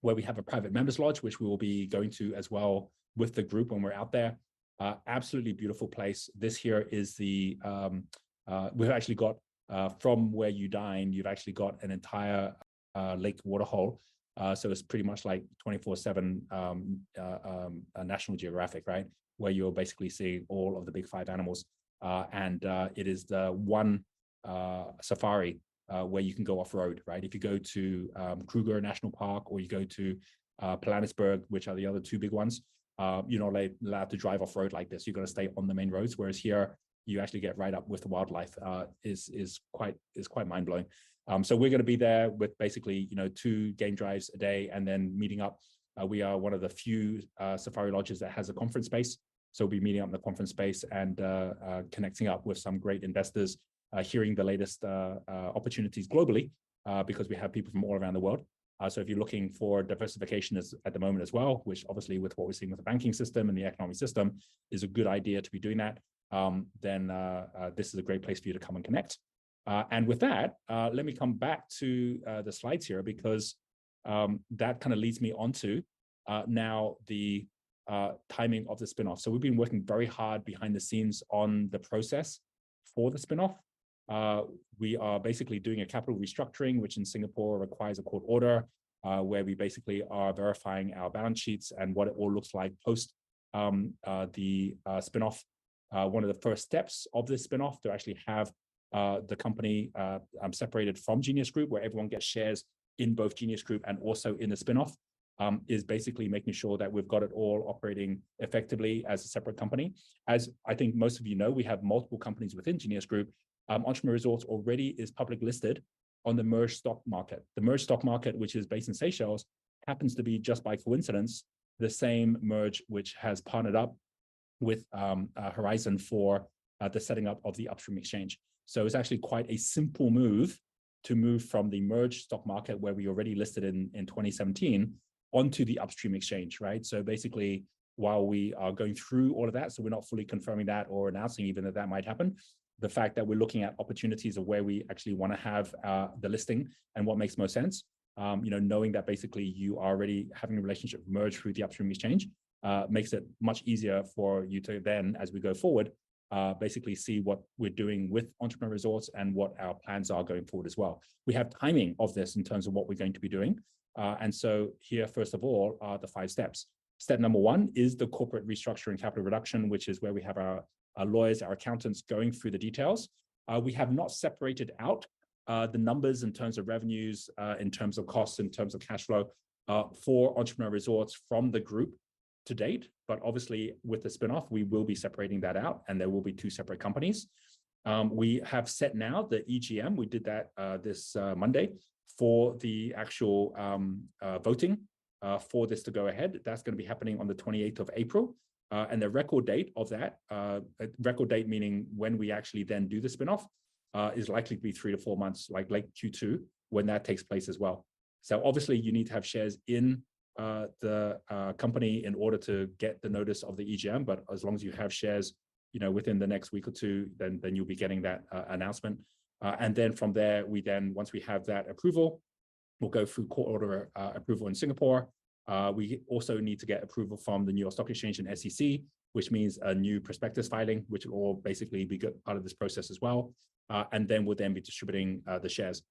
where we have a private members lodge, which we will be going to as well with the group when we're out there. Absolutely beautiful place. This here is the. We've actually got, from where you dine, you've actually got an entire lake waterhole. It's pretty much like 24/7, a National Geographic, right? Where you'll basically see all of the big five animals. It is the one safari where you can go off-road, right? If you go to Kruger National Park or you go to Pilanesberg, which are the other two big ones, you're not allowed to drive off-road like this. You've got to stay on the main roads, whereas here, you actually get right up with the wildlife. Is quite mind-blowing. We're gonna be there with basically, you know, two game drives a day and then meeting up. We are one of the few safari lodges that has a conference space. We'll be meeting up in the conference space and connecting up with some great investors, hearing the latest opportunities globally, because we have people from all around the world. If you're looking for diversification at the moment as well, which obviously with what we're seeing with the banking system and the economic system is a good idea to be doing that, then this is a great place for you to come and connect. With that, let me come back to the slides here because that kinda leads me on to now the timing of the spin-off. We've been working very hard behind the scenes on the process for the spin-off. We are basically doing a capital restructuring, which in Singapore requires a court order, where we basically are verifying our balance sheets and what it all looks like post the spin-off. One of the first steps of this spin-off to actually have the company separated from Genius Group, where everyone gets shares in both Genius Group and also in the spin-off, is basically making sure that we've got it all operating effectively as a separate company. As I think most of you know, we have multiple companies within Genius Group. Entrepreneur Resorts already is public listed on the MERJ stock market. The MERJ stock market, which is based in Seychelles, happens to be just by coincidence, the same MERJ which has partnered up-With Horizon for the setting up of the Upstream Exchange. It's actually quite a simple move to move from the MERJ stock market where we already listed in 2017 onto the Upstream Exchange, right? Basically, while we are going through all of that, so we're not fully confirming that or announcing even that that might happen, the fact that we're looking at opportunities of where we actually want to have the listing and what makes most sense, you know, knowing that basically you are already having a relationship merged through the Upstream Exchange, makes it much easier for you to then, as we go forward, basically see what we're doing with Entrepreneur Resorts and what our plans are going forward as well. We have timing of this in terms of what we're going to be doing. And so here, first of all, are the five steps. Step number one is the corporate restructuring capital reduction, which is where we have our lawyers, our accountants going through the details. We have not separated out the numbers in terms of revenues, in terms of costs, in terms of cash flow for Entrepreneur Resorts from the group to date. With the spin-off, we will be separating that out, and there will be two separate companies. We have set now the EGM, we did that this Monday for the actual voting for this to go ahead. That's gonna be happening on the 28th of April. And the record date of that record date meaning when we actually then do the spin-off is likely to be three-four months, like late Q2 when that takes place as well. You need to have shares in the company in order to get the notice of the EGM. As long as you have shares, you know, within the next week or two, then you'll be getting that announcement. From there, we then, once we have that approval, we'll go through court order, approval in Singapore. We also need to get approval from the New York Stock Exchange and SEC, which means a new prospectus filing, which will all basically be part of this process as well. Then we'll then be distributing the shares.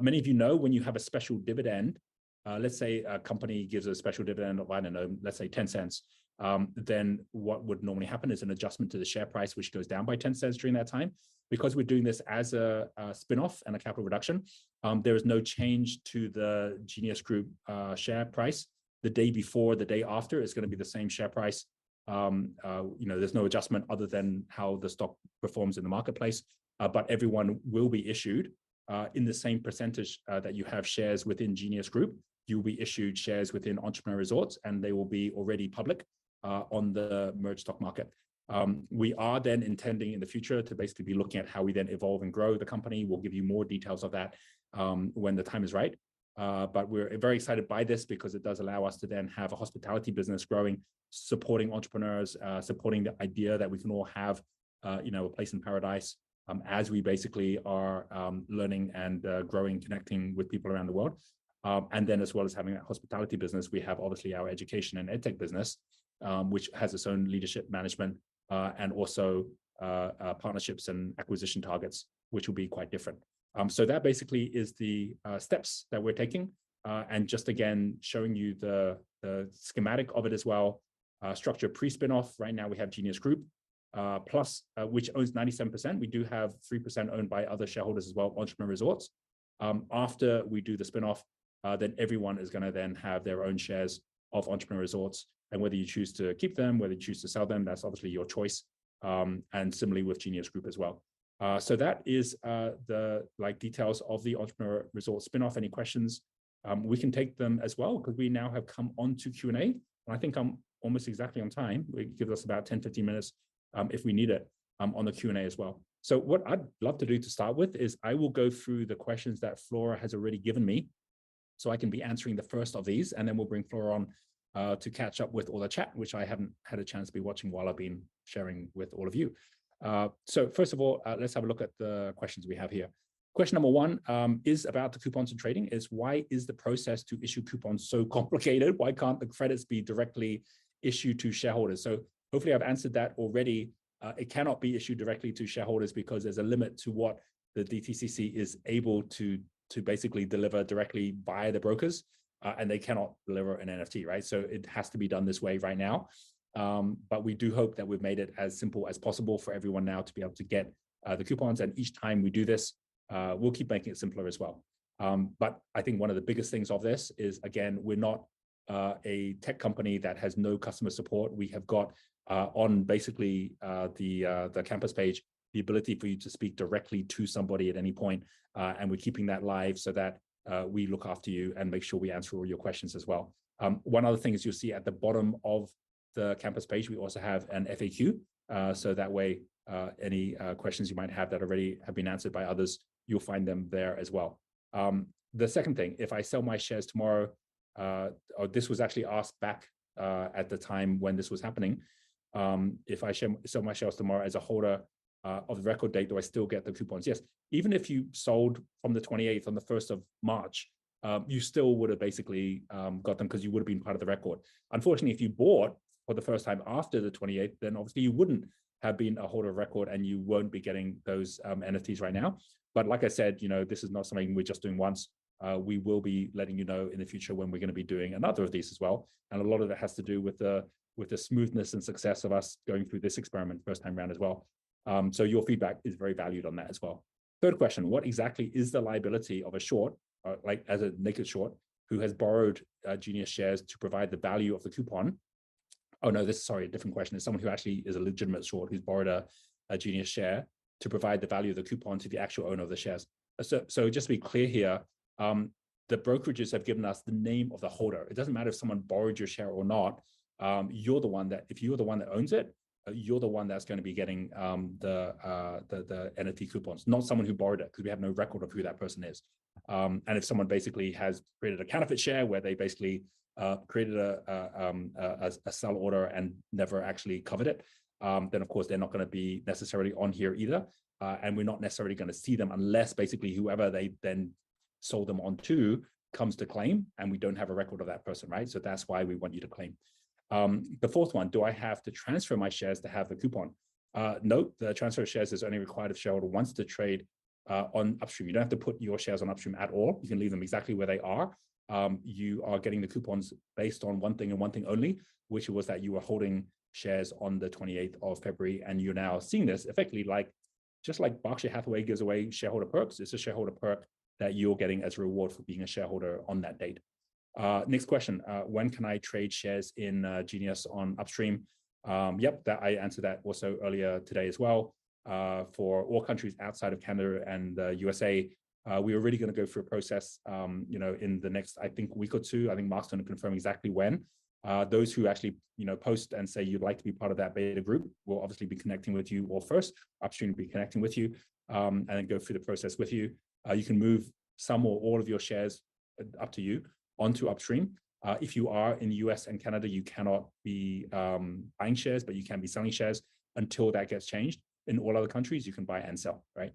Many of you know when you have a special dividend, let's say a company gives a special dividend of, I don't know, let's say $0.10, then what would normally happen is an adjustment to the share price, which goes down by $0.10 during that time. We're doing this as a spin-off and a capital reduction, there is no change to the Genius Group share price. The day before, the day after, it's gonna be the same share price. You know, there's no adjustment other than how the stock performs in the marketplace. Everyone will be issued in the same percentage that you have shares within Genius Group. You'll be issued shares within Entrepreneur Resorts. They will be already public on the merged stock market. We are then intending in the future to basically be looking at how we then evolve and grow the company. We'll give you more details of that when the time is right. We're very excited by this because it does allow us to then have a hospitality business growing, supporting entrepreneurs, supporting the idea that we can all have, you know, a place in paradise, as we basically are learning and growing, connecting with people around the world. As well as having that hospitality business, we have obviously our education and edtech business, which has its own leadership management, and also partnerships and acquisition targets, which will be quite different. That basically is the steps that we're taking. Just again, showing you the schematic of it as well. Structure pre-spin-off. Right now we have Genius Group, which owns 97%. We do have 3% owned by other shareholders as well, Entrepreneur Resorts. After we do the spin-off, everyone is gonna then have their own shares of Entrepreneur Resorts and whether you choose to keep them, whether you choose to sell them, that's obviously your choice. Similarly with Genius Group as well. That is, the details of the Entrepreneur Resorts spin-off. Any questions, we can take them as well 'cause we now have come onto Q&A. I think I'm almost exactly on time, which gives us about 10-15 minutes, if we need it, on the Q&A as well. What I'd love to do to start with is I will go through the questions that Flora has already given me, so I can be answering the first of these, and then we'll bring Flora on to catch up with all the chat, which I haven't had a chance to be watching while I've been sharing with all of you. First of all, let's have a look at the questions we have here. Question number one is about the coupons and trading. It's why is the process to issue coupons so complicated? Why can't the credits be directly issued to shareholders? Hopefully I've answered that already. It cannot be issued directly to shareholders because there's a limit to what the DTCC is able to basically deliver directly via the brokers, and they cannot deliver an NFT, right. It has to be done this way right now. We do hope that we've made it as simple as possible for everyone now to be able to get the coupons. Each time we do this, we'll keep making it simpler as well. I think one of the biggest things of this is, again, we're not a tech company that has no customer support. We have got on basically the campus page, the ability for you to speak directly to somebody at any point. We're keeping that live so that we look after you and make sure we answer all your questions as well. One other thing is you'll see at the bottom of the campus page, we also have an FAQ. That way, any questions you might have that already have been answered by others, you'll find them there as well. The second thing, if I sell my shares tomorrow, or this was actually asked back at the time when this was happening, if I sell my shares tomorrow as a holder of the record date, do I still get the coupons? Yes. Even if you sold from the 28th on the 1st of March, you still would've basically got them 'cause you would've been part of the record. Unfortunately, if you bought for the first time after the 28th, obviously you wouldn't have been a holder of record and you won't be getting those NFTs right now. Like I said, you know, this is not something we're just doing once. We will be letting you know in the future when we're gonna be doing another of these as well. A lot of that has to do with the smoothness and success of us going through this experiment first time round as well. Your feedback is very valued on that as well. Third question, what exactly is the liability of a short, like as a naked short who has borrowed Genius shares to provide the value of the coupon? No, a different question. It's someone who actually is a legitimate short who's borrowed a Genius share to provide the value of the coupon to the actual owner of the shares. Just to be clear here, the brokerages have given us the name of the holder. It doesn't matter if someone borrowed your share or not, if you are the one that owns it, you're the one that's gonna be getting the NFT coupons, not someone who borrowed it, ’cause we have no record of who that person is. If someone basically has created a counterfeit share where they basically created a sell order and never actually covered it, then of course, they're not gonna be necessarily on here either. We're not necessarily gonna see them unless basically whoever they then sold them on to comes to claim, and we don't have a record of that person, right? That's why we want you to claim. The fourth one: Do I have to transfer my shares to have the coupon? Nope. The transfer of shares is only required if shareholder wants to trade on Upstream. You don't have to put your shares on Upstream at all. You can leave them exactly where they are. You are getting the coupons based on one thing and one thing only, which was that you were holding shares on the 28th of February, and you're now seeing this effectively like just like Berkshire Hathaway gives away shareholder perks, it's a shareholder perk that you're getting as a reward for being a shareholder on that date. Next question. When can I trade shares in Genius on Upstream? Yep, that I answered that also earlier today as well. For all countries outside of Canada and USA, we are really gonna go through a process, you know, in the next, I think, a week or two. I think Mark's gonna confirm exactly when. Those who actually, you know, post and say you'd like to be part of that beta group, we'll obviously be connecting with you, or first, Upstream will be connecting with you, and then go through the process with you. You can move some or all of your shares, up to you, onto Upstream. If you are in the U.S. and Canada, you cannot be buying shares, but you can be selling shares until that gets changed. In all other countries, you can buy and sell, right?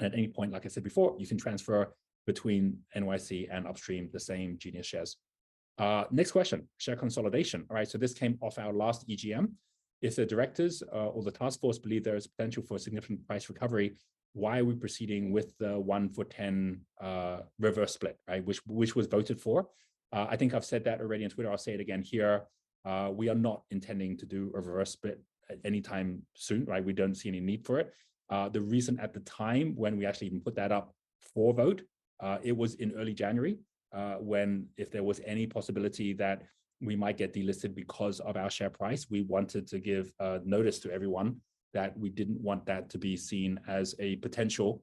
At any point, like I said before, you can transfer between NYC and Upstream the same Genius shares. Next question. Share consolidation. All right, this came off our last EGM. If the directors, or the task force believe there is potential for significant price recovery, why are we proceeding with the 1 for 10 reverse split, right, which was voted for? I think I've said that already on Twitter. I'll say it again here. We are not intending to do a reverse split at any time soon, right? We don't see any need for it. The reason at the time when we actually even put that up for vote, it was in early January, when if there was any possibility that we might get delisted because of our share price, we wanted to give notice to everyone that we didn't want that to be seen as a potential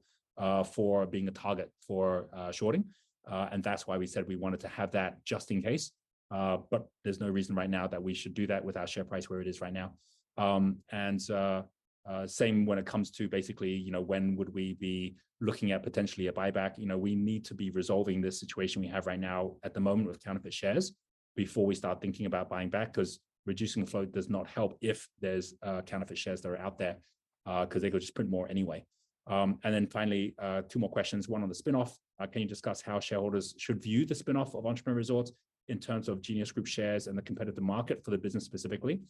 for being a target for shorting. That's why we said we wanted to have that just in case. There's no reason right now that we should do that with our share price where it is right now. Same when it comes to basically, you know, when would we be looking at potentially a buyback. You know, we need to be resolving this situation we have right now at the moment with counterfeit shares before we start thinking about buying back, 'cause reducing the float does not help if there's counterfeit shares that are out there, 'cause they could just print more anyway. Finally, two more questions, one on the spinoff. Can you discuss how shareholders should view the spinoff of Entrepreneur Resorts in terms of Genius Group shares and the competitive market for the business specifically?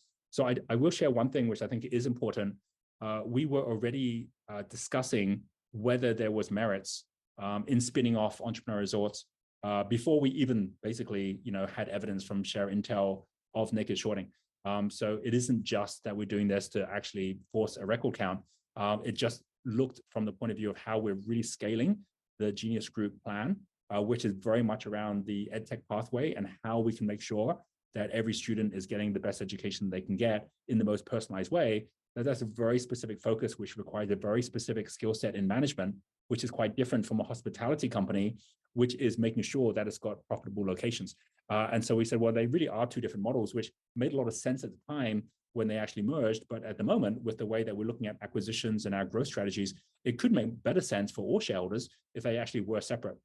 I will share one thing which I think is important. We were already discussing whether there was merits in spinning off Entrepreneur Resorts before we even basically, you know, had evidence from ShareIntel of naked shorting. It isn't just that we're doing this to actually force a record count. It just looked from the point of view of how we're rescaling the Genius Group plan, which is very much around the EdTech pathway and how we can make sure that every student is getting the best education they can get in the most personalized way. Now, that's a very specific focus which requires a very specific skill set in management, which is quite different from a hospitality company, which is making sure that it's got profitable locations. We said, well, they really are two different models, which made a lot of sense at the time when they actually merged. At the moment, with the way that we're looking at acquisitions and our growth strategies, it could make better sense for all shareholders if they actually were separate.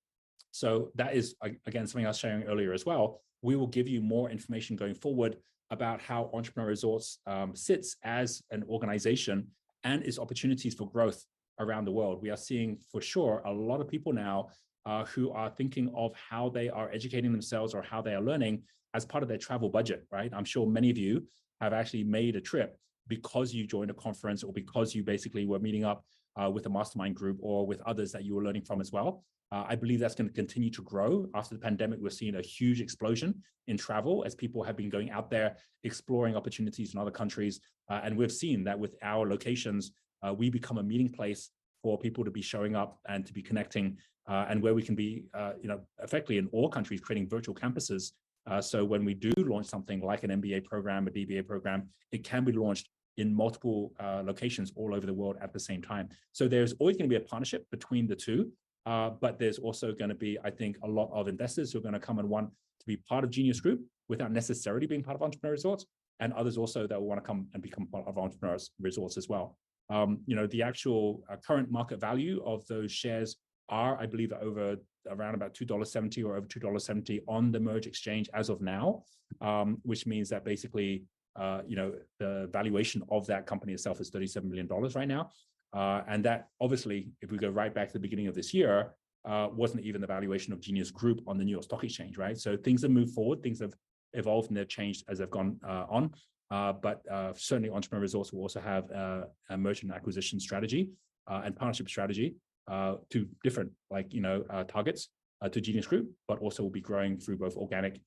That is again, something I was sharing earlier as well. We will give you more information going forward about how Entrepreneur Resorts sits as an organization and its opportunities for growth around the world. We are seeing, for sure, a lot of people now who are thinking of how they are educating themselves or how they are learning as part of their travel budget, right? I'm sure many of you have actually made a trip because you joined a conference or because you basically were meeting up with a mastermind group or with others that you were learning from as well. I believe that's gonna continue to grow. After the pandemic, we're seeing a huge explosion in travel as people have been going out there exploring opportunities in other countries. We've seen that with our locations, we become a meeting place for people to be showing up and to be connecting, and where we can be, you know, effectively in all countries creating virtual campuses. When we do launch something like an MBA program, a BBA program, it can be launched in multiple locations all over the world at the same time. There's always gonna be a partnership between the two, but there's also gonna be, I think, a lot of investors who are gonna come and want to be part of Genius Group without necessarily being part of Entrepreneur Resorts, and others also that will wanna come and become part of Entrepreneur Resorts as well. You know, the actual current market value of those shares are, I believe, over around about $2.70 or over $2.70 on the MERJ Exchange as of now, which means that basically, you know, the valuation of that company itself is $37 billion right now. That obviously, if we go right back to the beginning of this year, wasn't even the valuation of Genius Group on the New York Stock Exchange, right? Things have moved forward, things have evolved, and they've changed as they've gone on. Certainly Entrepreneur Resorts will also have a motion acquisition strategy and partnership strategy to different, like, you know, targets to Genius Group, but also will be growing through both organic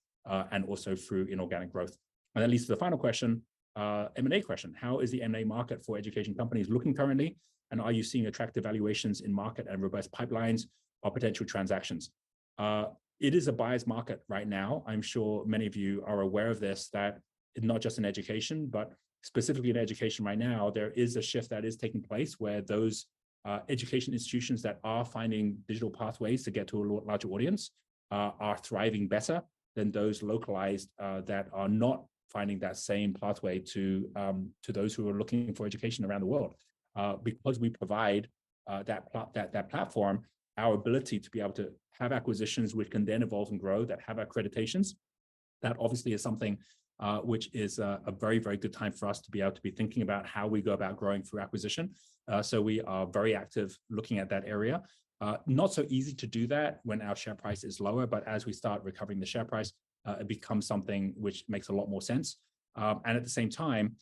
and also through inorganic growth. That leads to the final question, M&A question. How is the M&A market for education companies looking currently, and are you seeing attractive valuations in market and robust pipelines or potential transactions? It is a buyer's market right now. I'm sure many of you are aware of this, that not just in education, but specifically in education right now, there is a shift that is taking place where those education institutions that are finding digital pathways to get to a larger audience are thriving better than those localized that are not finding that same pathway to those who are looking for education around the world. Because we provide that platform, our ability to be able to have acquisitions which can then evolve and grow that have accreditations, that obviously is something which is a very, very good time for us to be able to be thinking about how we go about growing through acquisition. We are very active looking at that area. Not so easy to do that when our share price is lower but, as we start recovering the share price, it becomes something which makes a lot more sense. At the same time,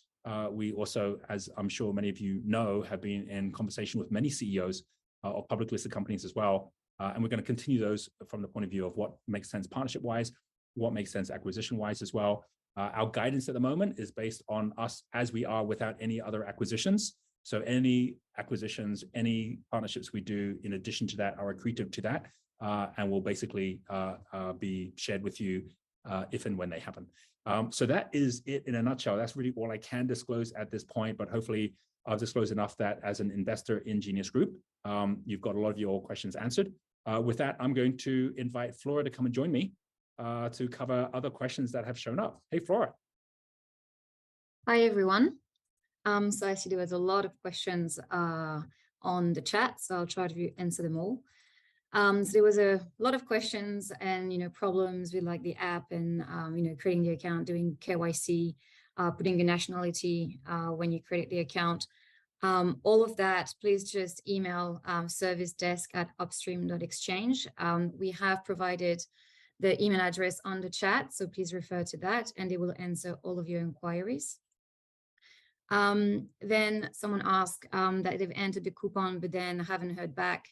we also, as I'm sure many of you know, have been in conversation with many CEOs of publicly listed companies as well. We're gonna continue those from the point of view of what makes sense partnership-wise, what makes sense acquisition-wise as well. Our guidance at the moment is based on us as we are without any other acquisitions. Any acquisitions, any partnerships we do in addition to that are accretive to that, and will basically be shared with you if and when they happen. That is it in a nutshell. That's really all I can disclose at this point. Hopefully I've disclosed enough that, as an investor in Genius Group, you've got a lot of your questions answered. With that, I'm going to invite Flora to come and join me to cover other questions that have shown up. Hey, Flora. Hi, everyone. I see there was a lot of questions on the chat, so I'll try to answer them all. There was a lot of questions and, you know, problems with, like, the app and, you know, creating the account, doing KYC, putting your nationality, when you create the account. All of that, please just email service desk at Upstream.Exchange. We have provided the email address on the chat, so please refer to that and they will answer all of your inquiries. Someone asked that they've entered the coupon but then haven't heard back.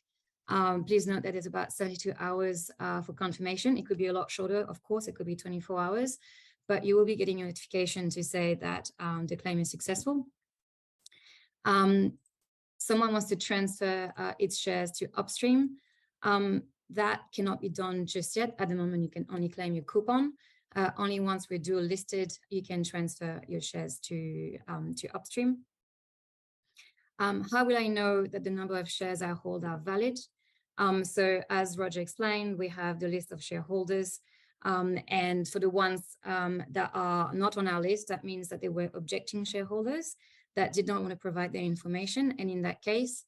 Please note that it's about 32 hours for confirmation. It could be a lot shorter, of course. It could be 24 hours, but you will be getting a notification to say that the claim is successful. Someone wants to transfer its shares to Upstream. That cannot be done just yet. At the moment, you can only claim your coupon. Only once we're dual listed, you can transfer your shares to Upstream. How will I know that the number of shares I hold are valid? As Roger explained, we have the list of shareholders, and for the ones that are not on our list, that means that they were objecting shareholders that did not want to provide their information and, in that case,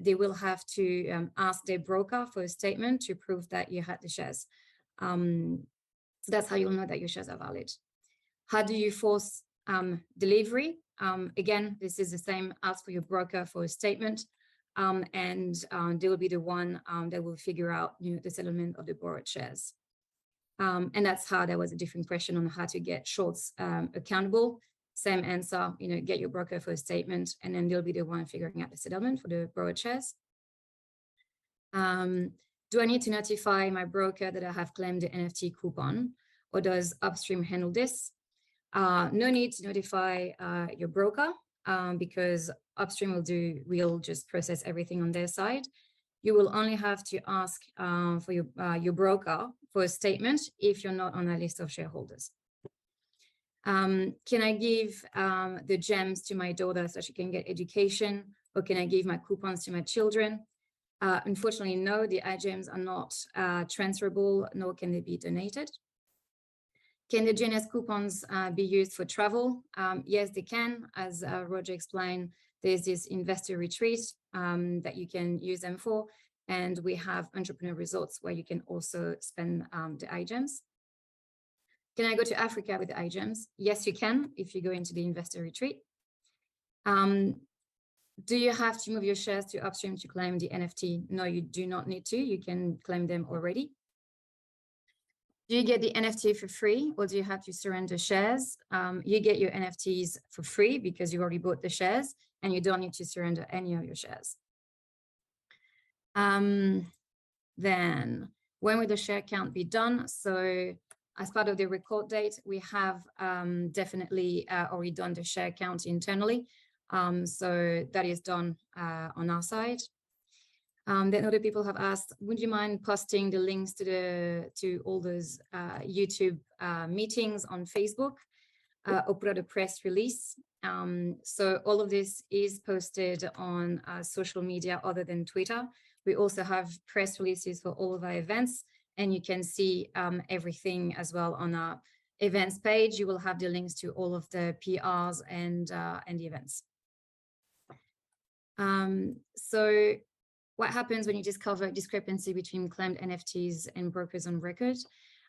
they will have to ask their broker for a statement to prove that you had the shares. That's how you'll know that your shares are valid. How do you force delivery? Again, this is the same. Ask for your broker for a statement, they will be the one that will figure out, you know, the settlement of the borrowed shares. That's how there was a different question on how to get shorts accountable. Same answer. You know, get your broker for a statement, they'll be the one figuring out the settlement for the borrowed shares. Do I need to notify my broker that I have claimed the NFT coupon, or does Upstream handle this? No need to notify your broker, Upstream will just process everything on their side. You will only have to ask for your broker for a statement if you're not on our list of shareholders. Can I give the GEMs to my daughter so she can get education, or can I give my coupons to my children? Unfortunately, no. The iGEMs are not transferable, nor can they be donated. Can the Genius coupons be used for travel? Yes, they can. As Roger explained, there's this investor retreat that you can use them for, and we have Entrepreneur Resorts where you can also spend the iGEMs. Can I go to Africa with iGEMs? Yes, you can, if you're going to the investor retreat. Do you have to move your shares to Upstream to claim the NFT? No, you do not need to. You can claim them already. Do you get the NFT for free, or do you have to surrender shares? You get your NFTs for free because you already bought the shares, and you don't need to surrender any of your shares. When will the share count be done? As part of the record date, we have definitely already done the share count internally. That is done on our side. Other people have asked, would you mind posting the links to the, to all those YouTube meetings on Facebook or put out a press release? All of this is posted on social media other than Twitter. We also have press releases for all of our events, and you can see everything as well on our events page. You will have the links to all of the PRs and the events. What happens when you discover discrepancy between claimed NFTs and brokers on record?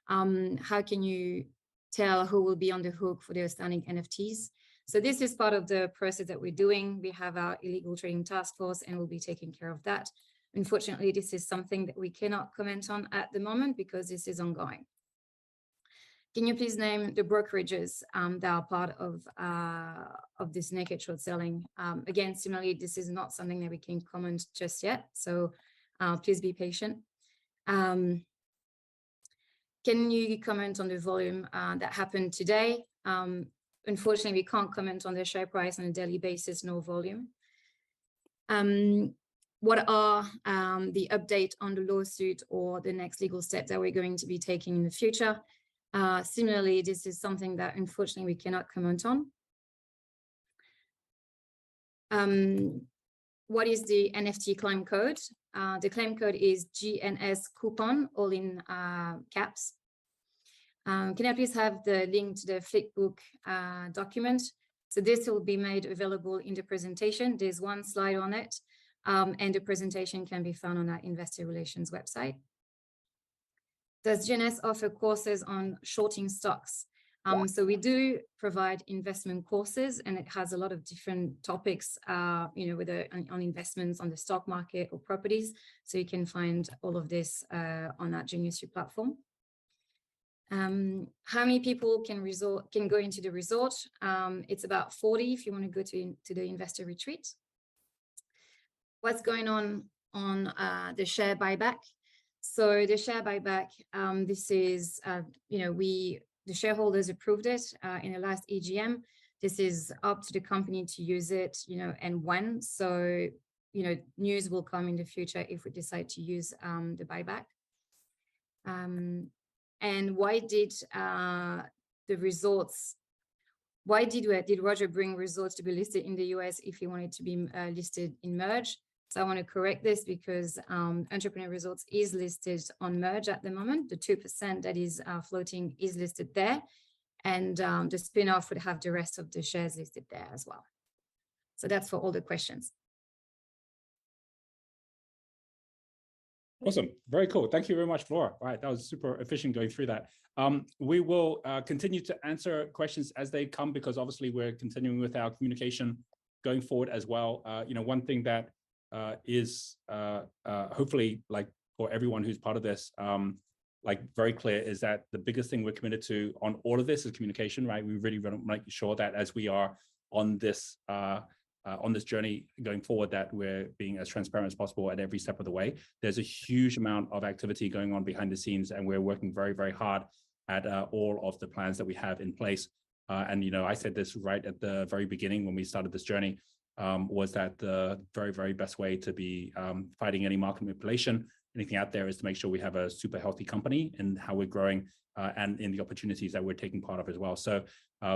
How can you tell who will be on the hook for the outstanding NFTs? This is part of the process that we're doing. We have our illegal trading task force, and we'll be taking care of that. Unfortunately, this is something that we cannot comment on at the moment because this is ongoing. Can you please name the brokerages that are part of this naked short selling? Again, similarly, this is not something that we can comment just yet, so please be patient. Can you comment on the volume that happened today? Unfortunately, we can't comment on the share price on a daily basis, nor volume. What are the update on the lawsuit or the next legal steps that we're going to be taking in the future? Similarly, this is something that, unfortunately, we cannot comment on. What is the NFT claim code? The claim code is GNSCOUPON, all in caps. Can I please have the link to the Flipbook document? This will be made available in the presentation. There's one slide on it, the presentation can be found on our investor relations website. Does GNS offer courses on shorting stocks? We do provide investment courses, it has a lot of different topics, you know, whether on investments, on the stock market, or properties. You can find all of this on our GeniusU platform. How many people can go into the resort? It's about 40 if you wanna go to the investor retreat. What's going on on the share buyback? The share buyback, you know, we, the shareholders approved it in the last AGM. This is up to the company to use it, you know, and when. You know, news will come in the future if we decide to use the buyback. And why did the resorts, why did Roger bring resorts to be listed in the US if he wanted to be listed in MERJ? I wanna correct this because Entrepreneur Resorts is listed on MERJ at the moment. The 2% that is floating is listed there. And the spin-off would have the rest of the shares listed there as well. That's for all the questions. Awesome. Very cool. Thank you very much, Flora. Right, that was super efficient going through that. We will continue to answer questions as they come because obviously we're continuing with our communication going forward as well. You know, one thing that is hopefully, like, for everyone who's part of this, like, very clear is that the biggest thing we're committed to on all of this is communication, right? We really wanna make sure that as we are on this journey going forward, that we're being as transparent as possible at every step of the way. There's a huge amount of activity going on behind the scenes, and we're working very, very hard at all of the plans that we have in place. You know, I said this right at the very beginning when we started this journey, was that the very, very best way to be fighting any market manipulation, anything out there, is to make sure we have a super healthy company in how we're growing and in the opportunities that we're taking part of as well.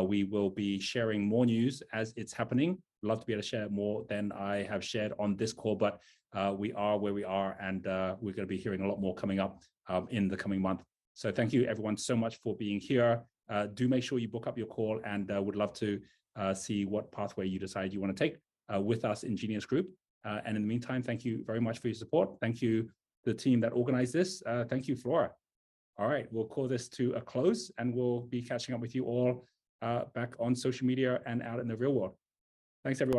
We will be sharing more news as it's happening. Love to be able to share more than I have shared on this call, but we are where we are and we're gonna be hearing a lot more coming up in the coming month. Thank you everyone so much for being here. Do make sure you book up your call, and would love to see what pathway you decide you wanna take with us in Genius Group. In the meantime, thank you very much for your support. Thank you, the team that organized this. Thank you, Flora. All right. We'll call this to a close. We'll be catching up with you all, back on social media and out in the real world. Thanks, everyone.